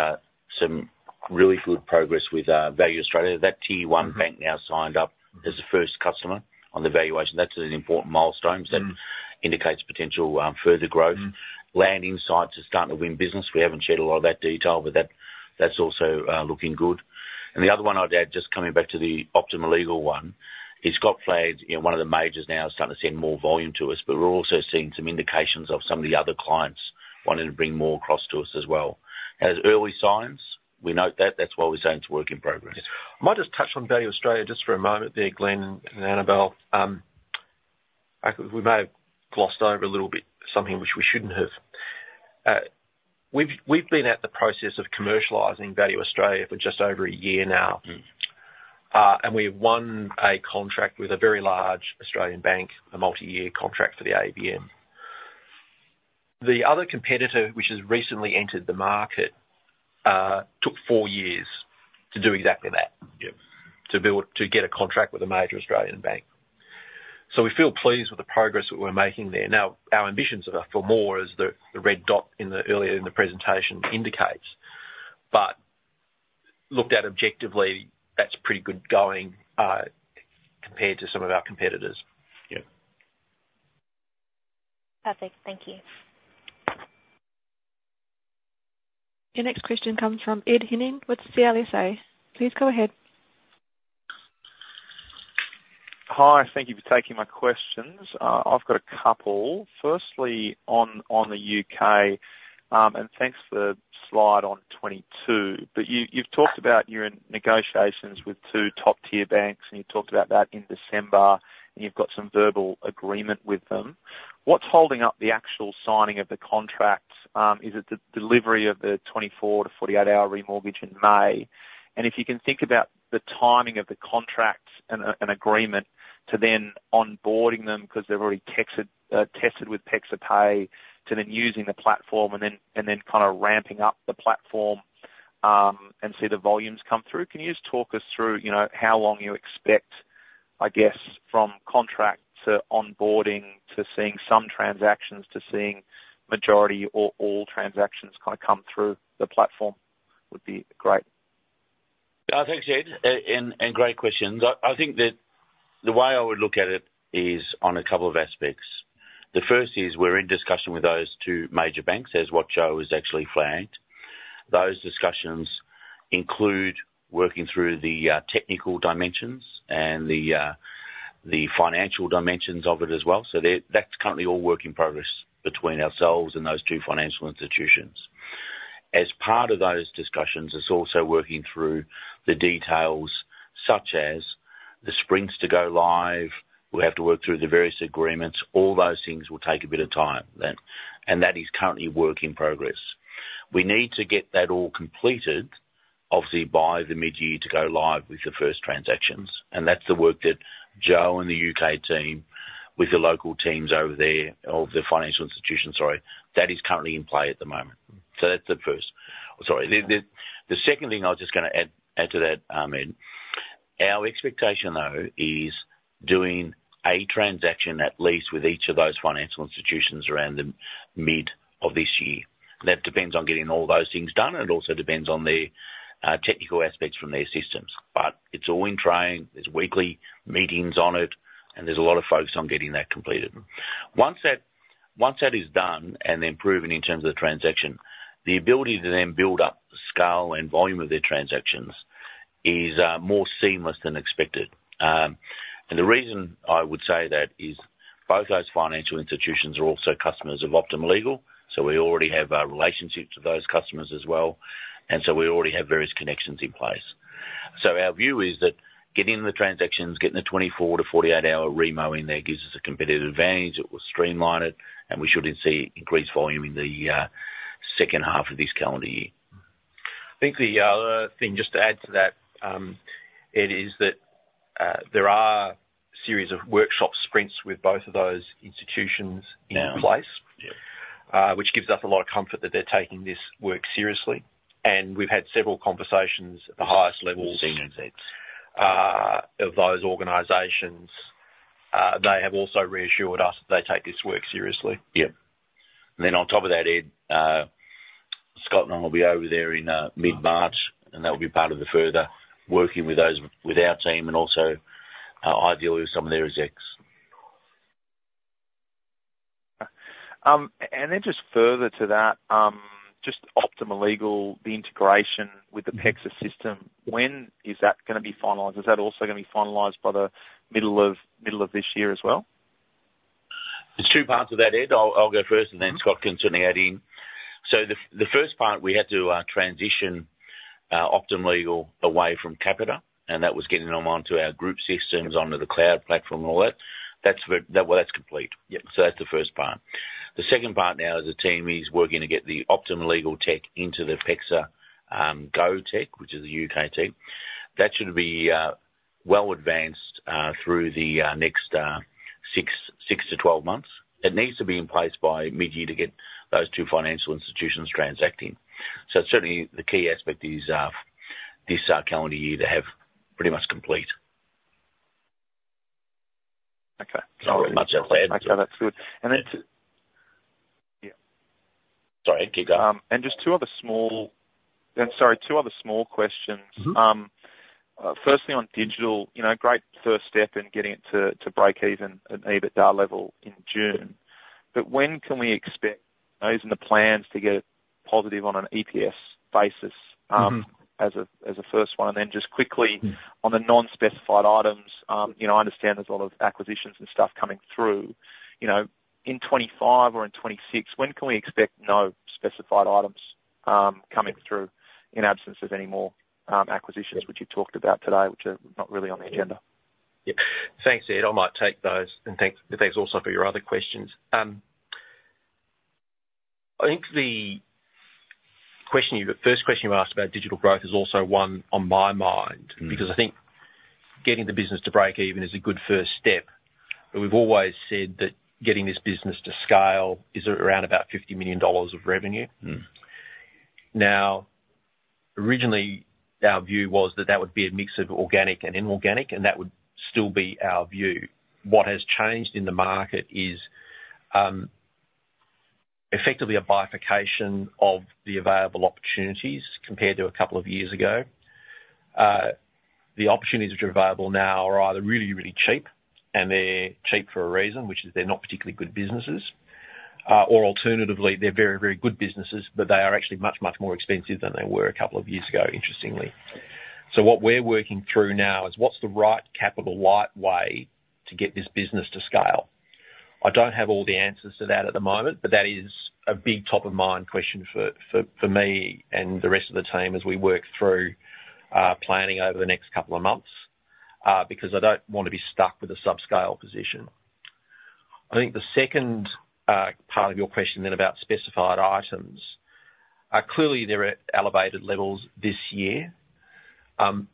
some really good progress with Value Australia. That Tier 1 bank now signed up as the first customer on the valuation. That's an important milestone because that indicates potential further growth. Landchecker is starting to win business. We haven't shared a lot of that detail, but that's also looking good. The other one I'd add, just coming back to the Optima Legal one, is Scott flagged one of the majors now is starting to send more volume to us, but we're also seeing some indications of some of the other clients wanting to bring more across to us as well. As early signs, we note that. That's why we're saying it's a work in progress. I might just touch on Value Australia just for a moment there, Glenn and Annabel. We may have glossed over a little bit something which we shouldn't have. We've been at the process of commercializing Value Australia for just over a year now. And we have won a contract with a very large Australian bank, a multi-year contract for the AVM. The other competitor, which has recently entered the market, took 4 years to do exactly that, to get a contract with a major Australian bank. So we feel pleased with the progress that we're making there. Now, our ambitions for more as the red dot earlier in the presentation indicates. But looked at objectively, that's pretty good going compared to some of our competitors. Perfect. Thank you. Your next question comes from Ed Henning with CLSA. Please go ahead. Hi. Thank you for taking my questions. I've got a couple. Firstly, on the U.K., and thanks for the slide on 2022. But you've talked about you're in negotiations with two top-tier banks, and you've talked about that in December, and you've got some verbal agreement with them. What's holding up the actual signing of the contract? Is it the delivery of the 24-48-hour remortgage in May? If you can think about the timing of the contract and agreement to then onboarding them because they're already tested with PEXA Pay to then using the platform and then kind of ramping up the platform and see the volumes come through, can you just talk us through how long you expect, I guess, from contract to onboarding to seeing some transactions to seeing majority or all transactions kind of come through the platform would be great. Thanks, Ed, and great questions. I think that the way I would look at it is on a couple of aspects. The first is we're in discussion with those two major banks as what Joe has actually flagged. Those discussions include working through the technical dimensions and the financial dimensions of it as well. That's currently all work in progress between ourselves and those two financial institutions. As part of those discussions, it's also working through the details such as the sprint to go live. We'll have to work through the various agreements. All those things will take a bit of time. That is currently work in progress. We need to get that all completed, obviously, by mid-year to go live with the first transactions. And that's the work that Joe and the U.K. team with the local teams over there of the financial institutions. Sorry. That is currently in play at the moment. So that's the first. Sorry. The second thing I was just going to add to that, Ed, our expectation, though, is doing a transaction at least with each of those financial institutions around the mid of this year. That depends on getting all those things done, and it also depends on the technical aspects from their systems. But it's all in training. There's weekly meetings on it, and there's a lot of focus on getting that completed. Once that is done and then proven in terms of the transaction, the ability to then build up scale and volume of their transactions is more seamless than expected. And the reason I would say that is both those financial institutions are also customers of Optima Legal. So we already have a relationship to those customers as well. And so we already have various connections in place. So our view is that getting the transactions, getting the 24-48-hour Remo in there gives us a competitive advantage. It will streamline it, and we should see increased volume in the second half of this calendar year. I think the other thing just to add to that, Ed, is that there are a series of workshop sprints with both of those institutions in place, which gives us a lot of comfort that they're taking this work seriously. And we've had several conversations at the highest levels of those organizations. They have also reassured us that they take this work seriously. Yep. And then on top of that, Ed, Scott and I will be over there in mid-March, and that will be part of the further working with our team and also ideally with some of their execs. And then just further to that, just Optima Legal, the integration with the PEXA system, when is that going to be finalized? Is that also going to be finalized by the middle of this year as well? There's two parts of that, Ed. I'll go first, and then Scott can certainly add in. So the first part, we had to transition Optima Legal away from Capita, and that was getting them onto our group systems, onto the cloud platform, and all that. Well, that's complete. So that's the first part. The second part now as a team is working to get the Optima Legal tech into the PEXA Go tech, which is the U.K. team. That should be well advanced through the next 6-12 months. It needs to be in place by mid-year to get those two financial institutions transacting. So certainly, the key aspect is this calendar year to have pretty much complete. All right. Much upset. Okay. That's good. And then to yeah. Sorry. Keep going. And just two other small and sorry, two other small questions. Firstly, on digital, great first step in getting it to break-even at EBITDA level in June. But when can we expect those in the plans to get it positive on an EPS basis as a first one? And then just quickly, on the non-specified items, I understand there's a lot of acquisitions and stuff coming through. In 2025 or in 2026, when can we expect no specified items coming through in absence of any more acquisitions, which you've talked about today, which are not really on the agenda? Yep. Thanks, Ed. I might take those. And thanks also for your other questions. I think the first question you asked about digital growth is also one on my mind because I think getting the business to break-even is a good first step. But we've always said that getting this business to scale is around about 50 million dollars of revenue. Now, originally, our view was that that would be a mix of organic and inorganic, and that would still be our view. What has changed in the market is effectively a bifurcation of the available opportunities compared to a couple of years ago. The opportunities which are available now are either really, really cheap, and they're cheap for a reason, which is they're not particularly good businesses, or alternatively, they're very, very good businesses, but they are actually much, much more expensive than they were a couple of years ago, interestingly. So what we're working through now is what's the right capital light way to get this business to scale. I don't have all the answers to that at the moment, but that is a big top-of-mind question for me and the rest of the team as we work through planning over the next couple of months because I don't want to be stuck with a subscale position. I think the second part of your question then about specified items, clearly, they're at elevated levels this year.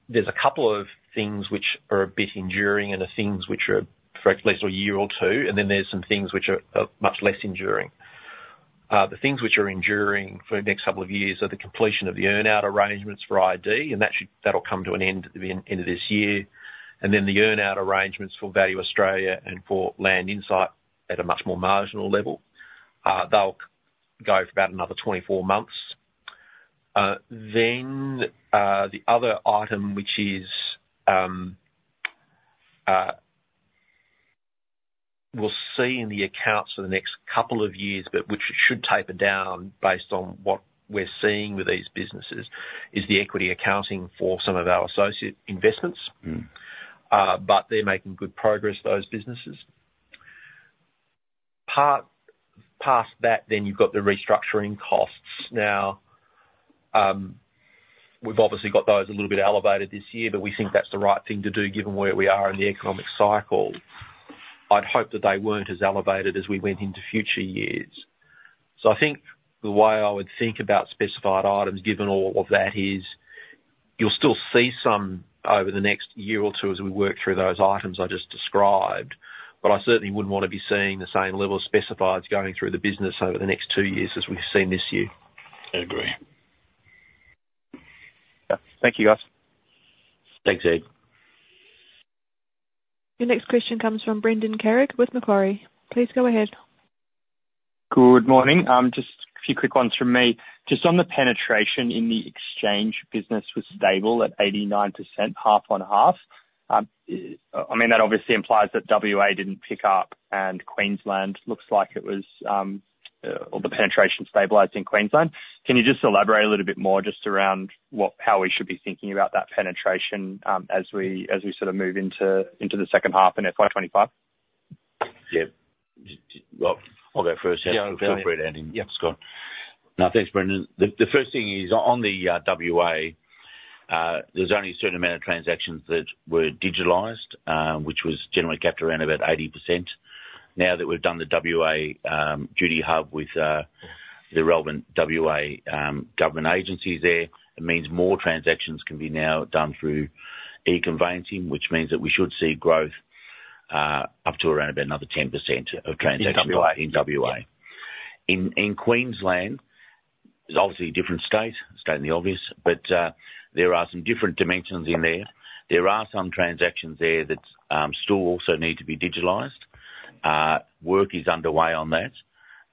There's a couple of things which are a bit enduring and the things which are for at least a year or two. Then there's some things which are much less enduring. The things which are enduring for the next couple of years are the completion of the earn-out arrangements for .id, and that'll come to an end at the end of this year. Then the earn-out arrangements for Value Australia and for Landchecker at a much more marginal level. They'll go for about another 24 months. Then the other item, which we'll see in the accounts for the next couple of years, but which should taper down based on what we're seeing with these businesses, is the equity accounting for some of our associate investments. But they're making good progress, those businesses. Past that, then you've got the restructuring costs. Now, we've obviously got those a little bit elevated this year, but we think that's the right thing to do given where we are in the economic cycle. I'd hope that they weren't as elevated as we went into future years. So I think the way I would think about specified items, given all of that, is you'll still see some over the next year or two as we work through those items I just described. But I certainly wouldn't want to be seeing the same level of specifieds going through the business over the next two years as we've seen this year. I agree. Thank you, guys. Thanks, Ed. Your next question comes from Brendan Carrig with Macquarie. Please go ahead. Good morning. Just a few quick ones from me. Just on the penetration, in the exchange business was stable at 89%, half on half. I mean, that obviously implies that WA didn't pick up, and Queensland looks like it was or the penetration stabilized in Queensland. Can you just elaborate a little bit more just around how we should be thinking about that penetration as we sort of move into the second half and FY 2025? Yep. Well, I'll go first. Yeah. Go ahead. Yep. Scott. No, thanks, Brendan. The first thing is on the WA, there's only a certain amount of transactions that were digitised, which was generally capped around about 80%. Now that we've done the WA Duty Hub with the relevant WA government agencies there, it means more transactions can be now done through e-conveyancing, which means that we should see growth up to around about another 10% of transactions in WA. In Queensland, it's obviously a different state, stating the obvious, but there are some different dimensions in there. There are some transactions there that still also need to be digitised. Work is underway on that.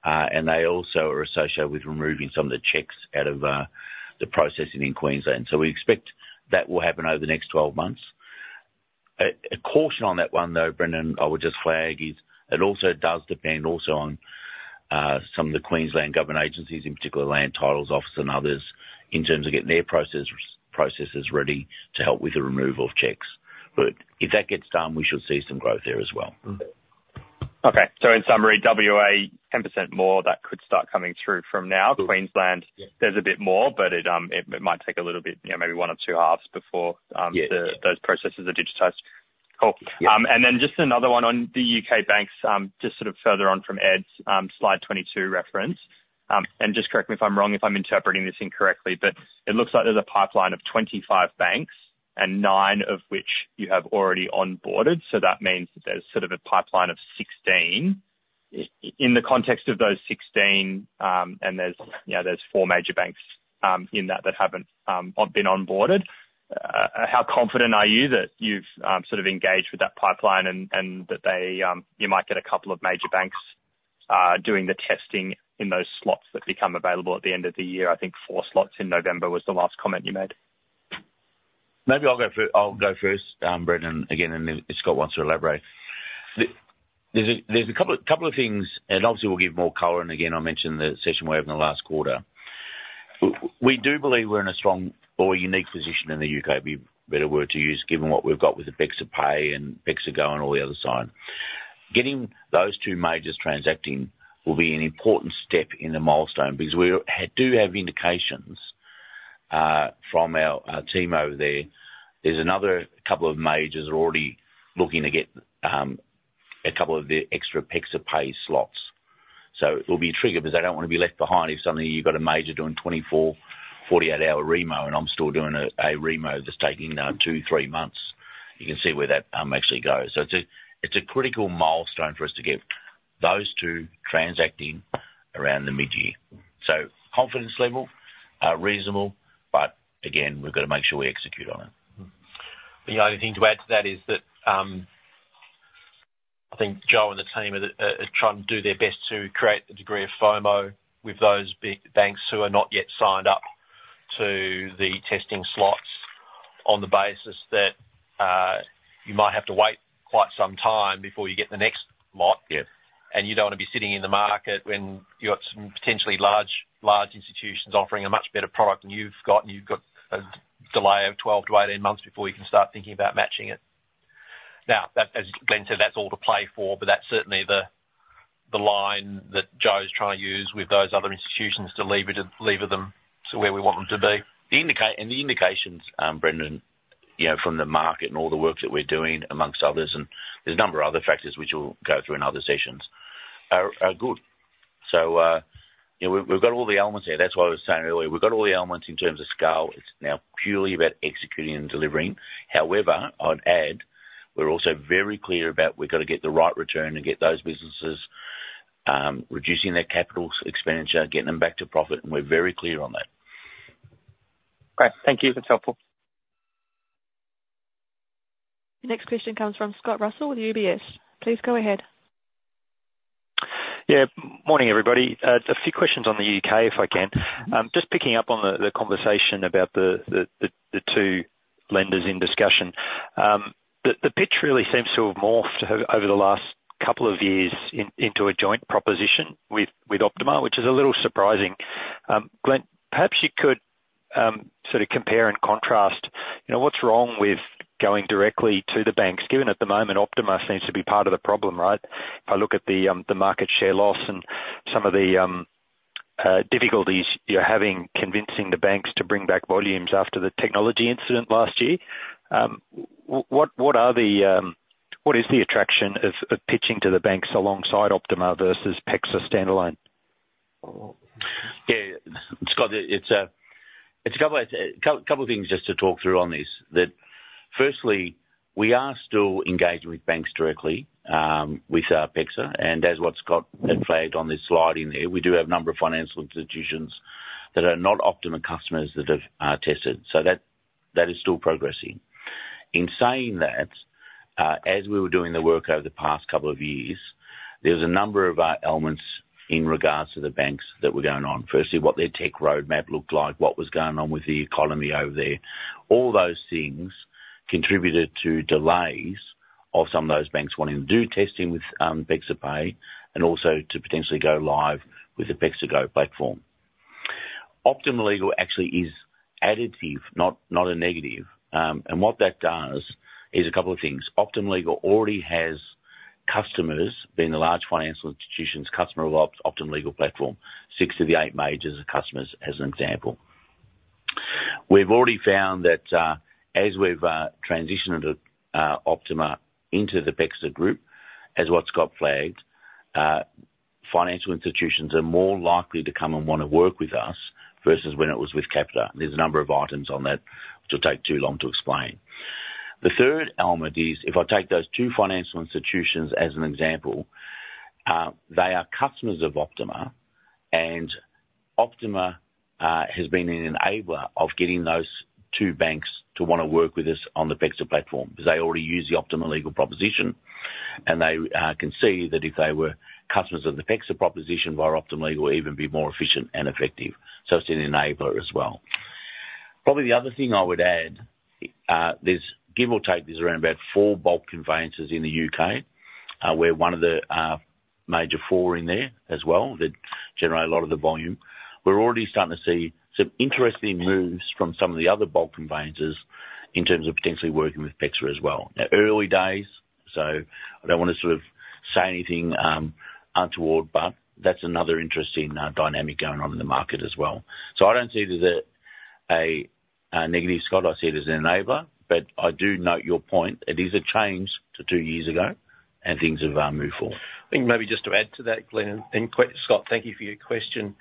And they also are associated with removing some of the checks out of the processing in Queensland. So we expect that will happen over the next 12 months. A caution on that one, though, Brendan, I would just flag, is it also does depend also on some of the Queensland government agencies, in particular, Land Titles Office and others, in terms of getting their processes ready to help with the removal of checks. But if that gets done, we should see some growth there as well. Okay. So in summary, WA, 10% more, that could start coming through from now. Queensland, there's a bit more, but it might take a little bit, maybe one or two halves before those processes are digitized. Cool. And then just another one on the U.K. banks, just sort of further on from Ed's slide 22 reference. And just correct me if I'm wrong if I'm interpreting this incorrectly, but it looks like there's a pipeline of 25 banks, and nine of which you have already onboarded. So that means that there's sort of a pipeline of 16. In the context of those 16, and there's four major banks in that that haven't been onboarded, how confident are you that you've sort of engaged with that pipeline and that you might get a couple of major banks doing the testing in those slots that become available at the end of the year? I think four slots in November was the last comment you made. Maybe I'll go first, Brendan, again, and Scott wants to elaborate. There's a couple of things, and obviously, we'll give more color. And again, I mentioned the session we had in the last quarter. We do believe we're in a strong or a unique position in the U.K., to be a better word to use, given what we've got with the PEXA Pay and PEXA Go and all the other side. Getting those two majors transacting will be an important step in the milestone because we do have indications from our team over there. There's another couple of majors that are already looking to get a couple of their extra PEXA Pay slots. So it will be a trigger because they don't want to be left behind if suddenly you've got a major doing 24-, 48-hour Remo, and I'm still doing a Remo that's taking now two-three months. You can see where that actually goes. So it's a critical milestone for us to get those two transacting around the mid-year. So confidence level, reasonable. But again, we've got to make sure we execute on it. The only thing to add to that is that I think Joe and the team are trying to do their best to create a degree of FOMO with those banks who are not yet signed up to the testing slots on the basis that you might have to wait quite some time before you get the next lot. And you don't want to be sitting in the market when you've got some potentially large institutions offering a much better product than you've got, and you've got a delay of 12-18 months before you can start thinking about matching it. Now, as Glenn said, that's all to play for, but that's certainly the line that Joe's trying to use with those other institutions to lever them to where we want them to be. And the indications, Brendan, from the market and all the work that we're doing, among others, and there's a number of other factors which we'll go through in other sessions, are good. So we've got all the elements here. That's why I was saying earlier, we've got all the elements in terms of scale. It's now purely about executing and delivering. However, I'd add, we're also very clear about we've got to get the right return and get those businesses reducing their capital expenditure, getting them back to profit. And we're very clear on that. Great. Thank you. That's helpful. Your next question comes from Scott Russell with UBS. Please go ahead. Yeah. Morning, everybody. A few questions on the U.K., if I can. Just picking up on the conversation about the two lenders in discussion, the pitch really seems to have morphed over the last couple of years into a joint proposition with Optima, which is a little surprising. Glenn, perhaps you could sort of compare and contrast what's wrong with going directly to the banks, given at the moment, Optima seems to be part of the problem, right? If I look at the market share loss and some of the difficulties you're having convincing the banks to bring back volumes after the technology incident last year, what is the attraction of pitching to the banks alongside Optima versus PEXA standalone? Yeah. Scott, it's a couple of things just to talk through on these. Firstly, we are still engaging with banks directly with PEXA. As what Scott had flagged on this slide in there, we do have a number of financial institutions that are not Optima customers that have tested. So that is still progressing. In saying that, as we were doing the work over the past couple of years, there was a number of elements in regards to the banks that were going on. Firstly, what their tech roadmap looked like, what was going on with the economy over there. All those things contributed to delays of some of those banks wanting to do testing with PEXA Pay and also to potentially go live with the PEXA Go platform. Optima Legal actually is additive, not a negative. And what that does is a couple of things. Optima Legal already has customers, being the large financial institutions, customer of Optima Legal platform, six of the eight majors of customers as an example. We've already found that as we've transitioned Optima into the PEXA group, as what Scott flagged, financial institutions are more likely to come and want to work with us versus when it was with Capita. There's a number of items on that which will take too long to explain. The third element is if I take those two financial institutions as an example, they are customers of Optima. Optima has been an enabler of getting those two banks to want to work with us on the PEXA platform because they already use the Optima Legal proposition. They can see that if they were customers of the PEXA proposition via Optima Legal, it would even be more efficient and effective. It's an enabler as well. Probably the other thing I would add, give or take, there's around about four bulk conveyancers in the U.K., where one of the major four in there as well that generate a lot of the volume. We're already starting to see some interesting moves from some of the other bulk conveyancers in terms of potentially working with PEXA as well. Now, early days, so I don't want to sort of say anything untoward, but that's another interesting dynamic going on in the market as well. So I don't see it as a negative, Scott. I see it as an enabler. But I do note your point. It is a change to two years ago, and things have moved forward. I think maybe just to add to that, Glenn and Scott, thank you for your question.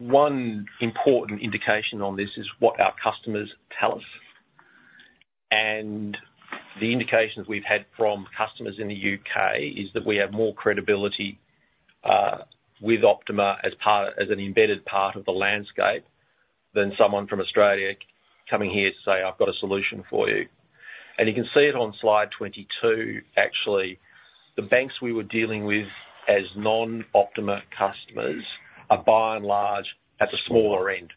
One important indication on this is what our customers tell us. The indications we've had from customers in the U.K. is that we have more credibility with Optima as an embedded part of the landscape than someone from Australia coming here to say, "I've got a solution for you." You can see it on slide 22, actually. The banks we were dealing with as non-Optima customers are, by and large, at the smaller end.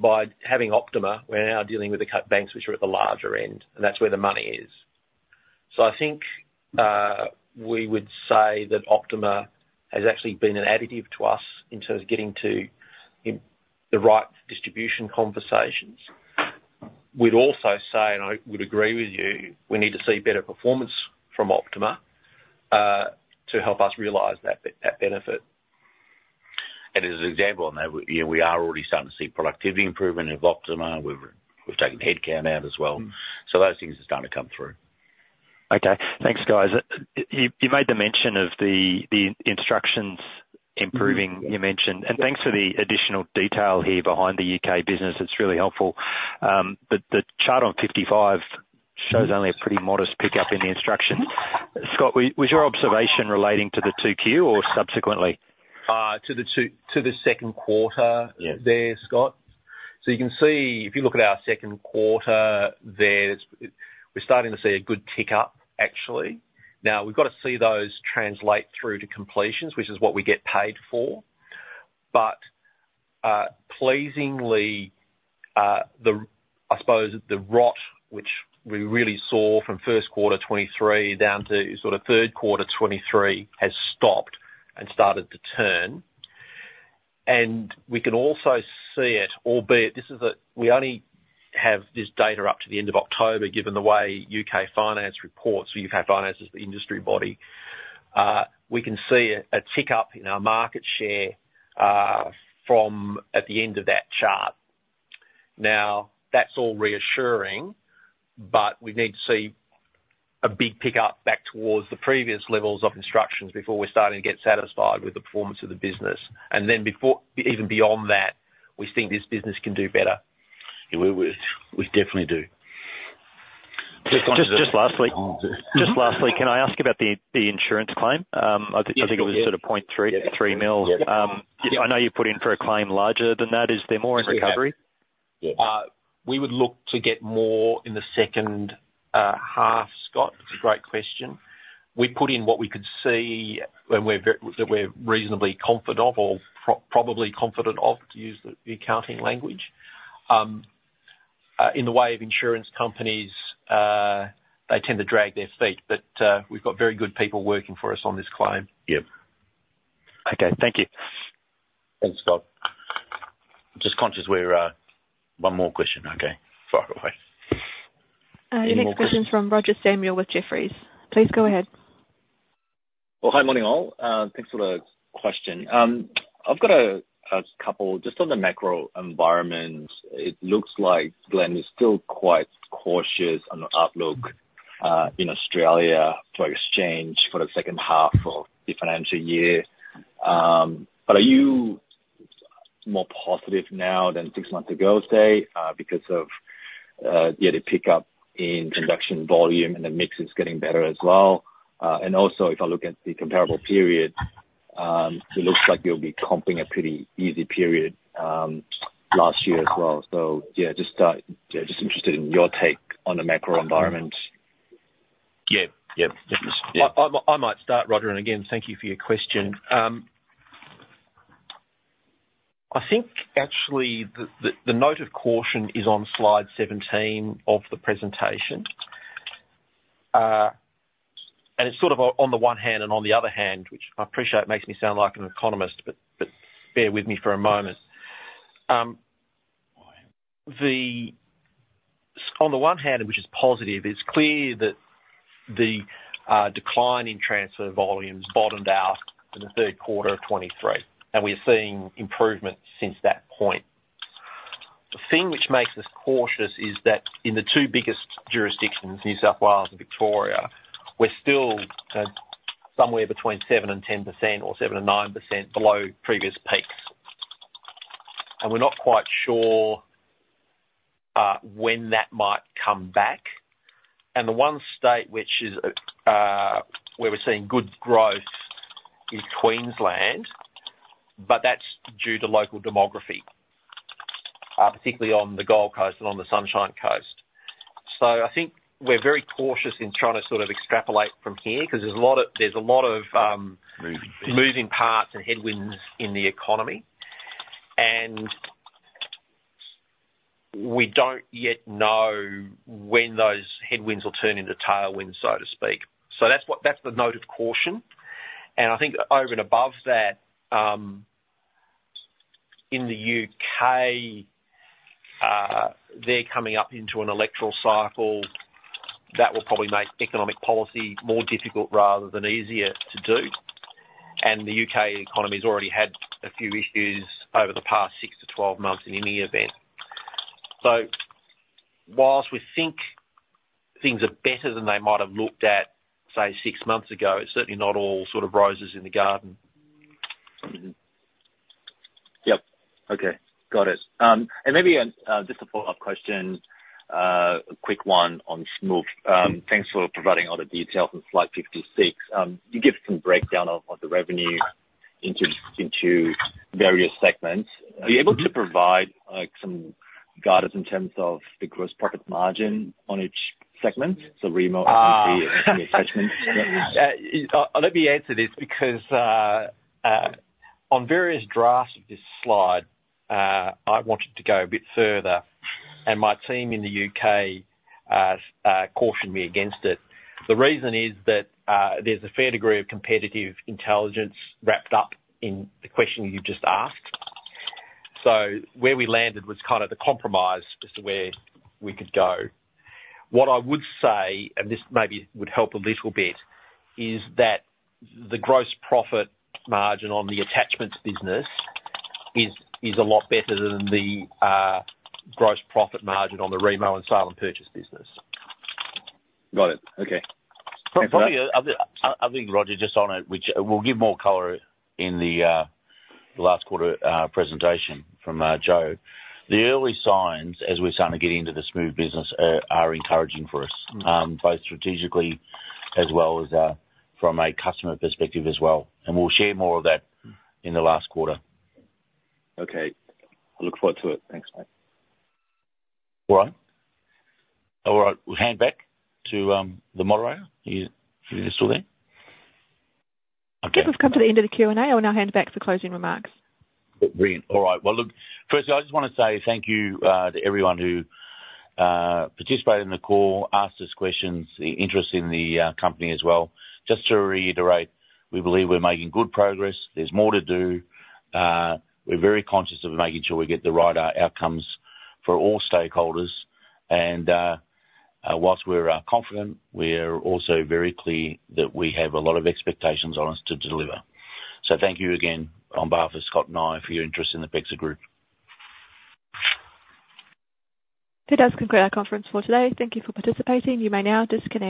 By having Optima, we're now dealing with the banks which are at the larger end. That's where the money is. So I think we would say that Optima has actually been an additive to us in terms of getting to the right distribution conversations. We'd also say, and I would agree with you, we need to see better performance from Optima to help us realize that benefit. As an example on that, we are already starting to see productivity improvement of Optima. We've taken headcount out as well. So those things are starting to come through. Okay. Thanks, guys. You made the mention of the instructions improving, you mentioned. Thanks for the additional detail here behind the U.K. business. It's really helpful. But the chart on 55 shows only a pretty modest pickup in the instructions. Scott, was your observation relating to the 2Q or subsequently? To the second quarter there, Scott. So you can see if you look at our second quarter there, we're starting to see a good tick up, actually. Now, we've got to see those translate through to completions, which is what we get paid for. But pleasingly, I suppose, the rot, which we really saw from first quarter 2023 down to sort of third quarter 2023, has stopped and started to turn. And we can also see it, albeit we only have this data up to the end of October given the way U.K. Finance reports - U.K. Finance is the industry body - we can see a tick up in our market share at the end of that chart. Now, that's all reassuring, but we need to see a big pickup back towards the previous levels of instructions before we're starting to get satisfied with the performance of the business. And then even beyond that, we think this business can do better. Yeah. We definitely do. Just lastly, can I ask about the insurance claim? I think it was sort of 0.3 million. I know you put in for a claim larger than that. Is there more in recovery? We would look to get more in the second half, Scott. It's a great question. We put in what we could see that we're reasonably confident of or probably confident of, to use the accounting language, in the way of insurance companies. They tend to drag their feet. But we've got very good people working for us on this claim. Yeah. Okay. Thank you. Thanks, Scott. Just conscious we're one more question, okay, far away. Any more questions? Next question's from Roger Samuel with Jefferies. Please go ahead. Well, hi, morning, all. Thanks for the question. I've got a couple. Just on the macro environment, it looks like, Glenn, you're still quite cautious on the outlook in Australia for exchange for the second half of the financial year. But are you more positive now than six months ago, say, because of, yeah, the pickup in transaction volume and the mix is getting better as well? Also, if I look at the comparable period, it looks like you'll be comping a pretty easy period last year as well. Yeah, just interested in your take on the macro environment. Yeah. Yeah. I might start, Roger. And again, thank you for your question. I think, actually, the note of caution is on slide 17 of the presentation. And it's sort of on the one hand and on the other hand, which I appreciate it makes me sound like an economist, but bear with me for a moment. On the one hand, which is positive, it's clear that the decline in transfer volumes bottomed out in the third quarter of 2023. And we are seeing improvement since that point. The thing which makes us cautious is that in the two biggest jurisdictions, New South Wales and Victoria, we're still somewhere between 7%-10% or 7%-9% below previous peaks. We're not quite sure when that might come back. The one state where we're seeing good growth is Queensland, but that's due to local demography, particularly on the Gold Coast and on the Sunshine Coast. So I think we're very cautious in trying to sort of extrapolate from here because there's a lot of moving parts and headwinds in the economy. And we don't yet know when those headwinds will turn into tailwinds, so to speak. So that's the note of caution. I think over and above that, in the U.K., they're coming up into an electoral cycle that will probably make economic policy more difficult rather than easier to do. The U.K. economy's already had a few issues over the past 6-12 months in any event. So whilst we think things are better than they might have looked at, say, six months ago, it's certainly not all sort of roses in the garden. Yep. Okay. Got it. Maybe just a follow-up question, a quick one on Smoove. Thanks for providing all the details on slide 56. You give some breakdown of the revenue into various segments. Are you able to provide some guidance in terms of the gross profit margin on each segment, so remo, equity, and any attachments? Let me answer this because on various drafts of this slide, I wanted to go a bit further. My team in the U.K. cautioned me against it. The reason is that there's a fair degree of competitive intelligence wrapped up in the question you just asked. So where we landed was kind of the compromise as to where we could go. What I would say, and this maybe would help a little bit, is that the gross profit margin on the attachments business is a lot better than the gross profit margin on the remortgage and sale and purchase business. Got it. Okay. And I think, Roger, just on it, which we'll give more color in the last quarter presentation from Joe, the early signs, as we're starting to get into the Smoove business, are encouraging for us both strategically as well as from a customer perspective as well. And we'll share more of that in the last quarter. Okay. I look forward to it. Thanks, mate. All right. All right. We'll hand back to the moderator. Are you still there? Okay. I think we've come to the end of the Q&A. I'll now hand back for closing remarks. Brilliant. All right. Well, look, firstly, I just want to say thank you to everyone who participated in the call, asked us questions, interested in the company as well. Just to reiterate, we believe we're making good progress. There's more to do. We're very conscious of making sure we get the right outcomes for all stakeholders. And whilst we're confident, we're also very clear that we have a lot of expectations on us to deliver. So thank you again on behalf of Scott and I for your interest in the PEXA Group. Good. That's a concluding conference for today. Thank you for participating. You may now disconnect.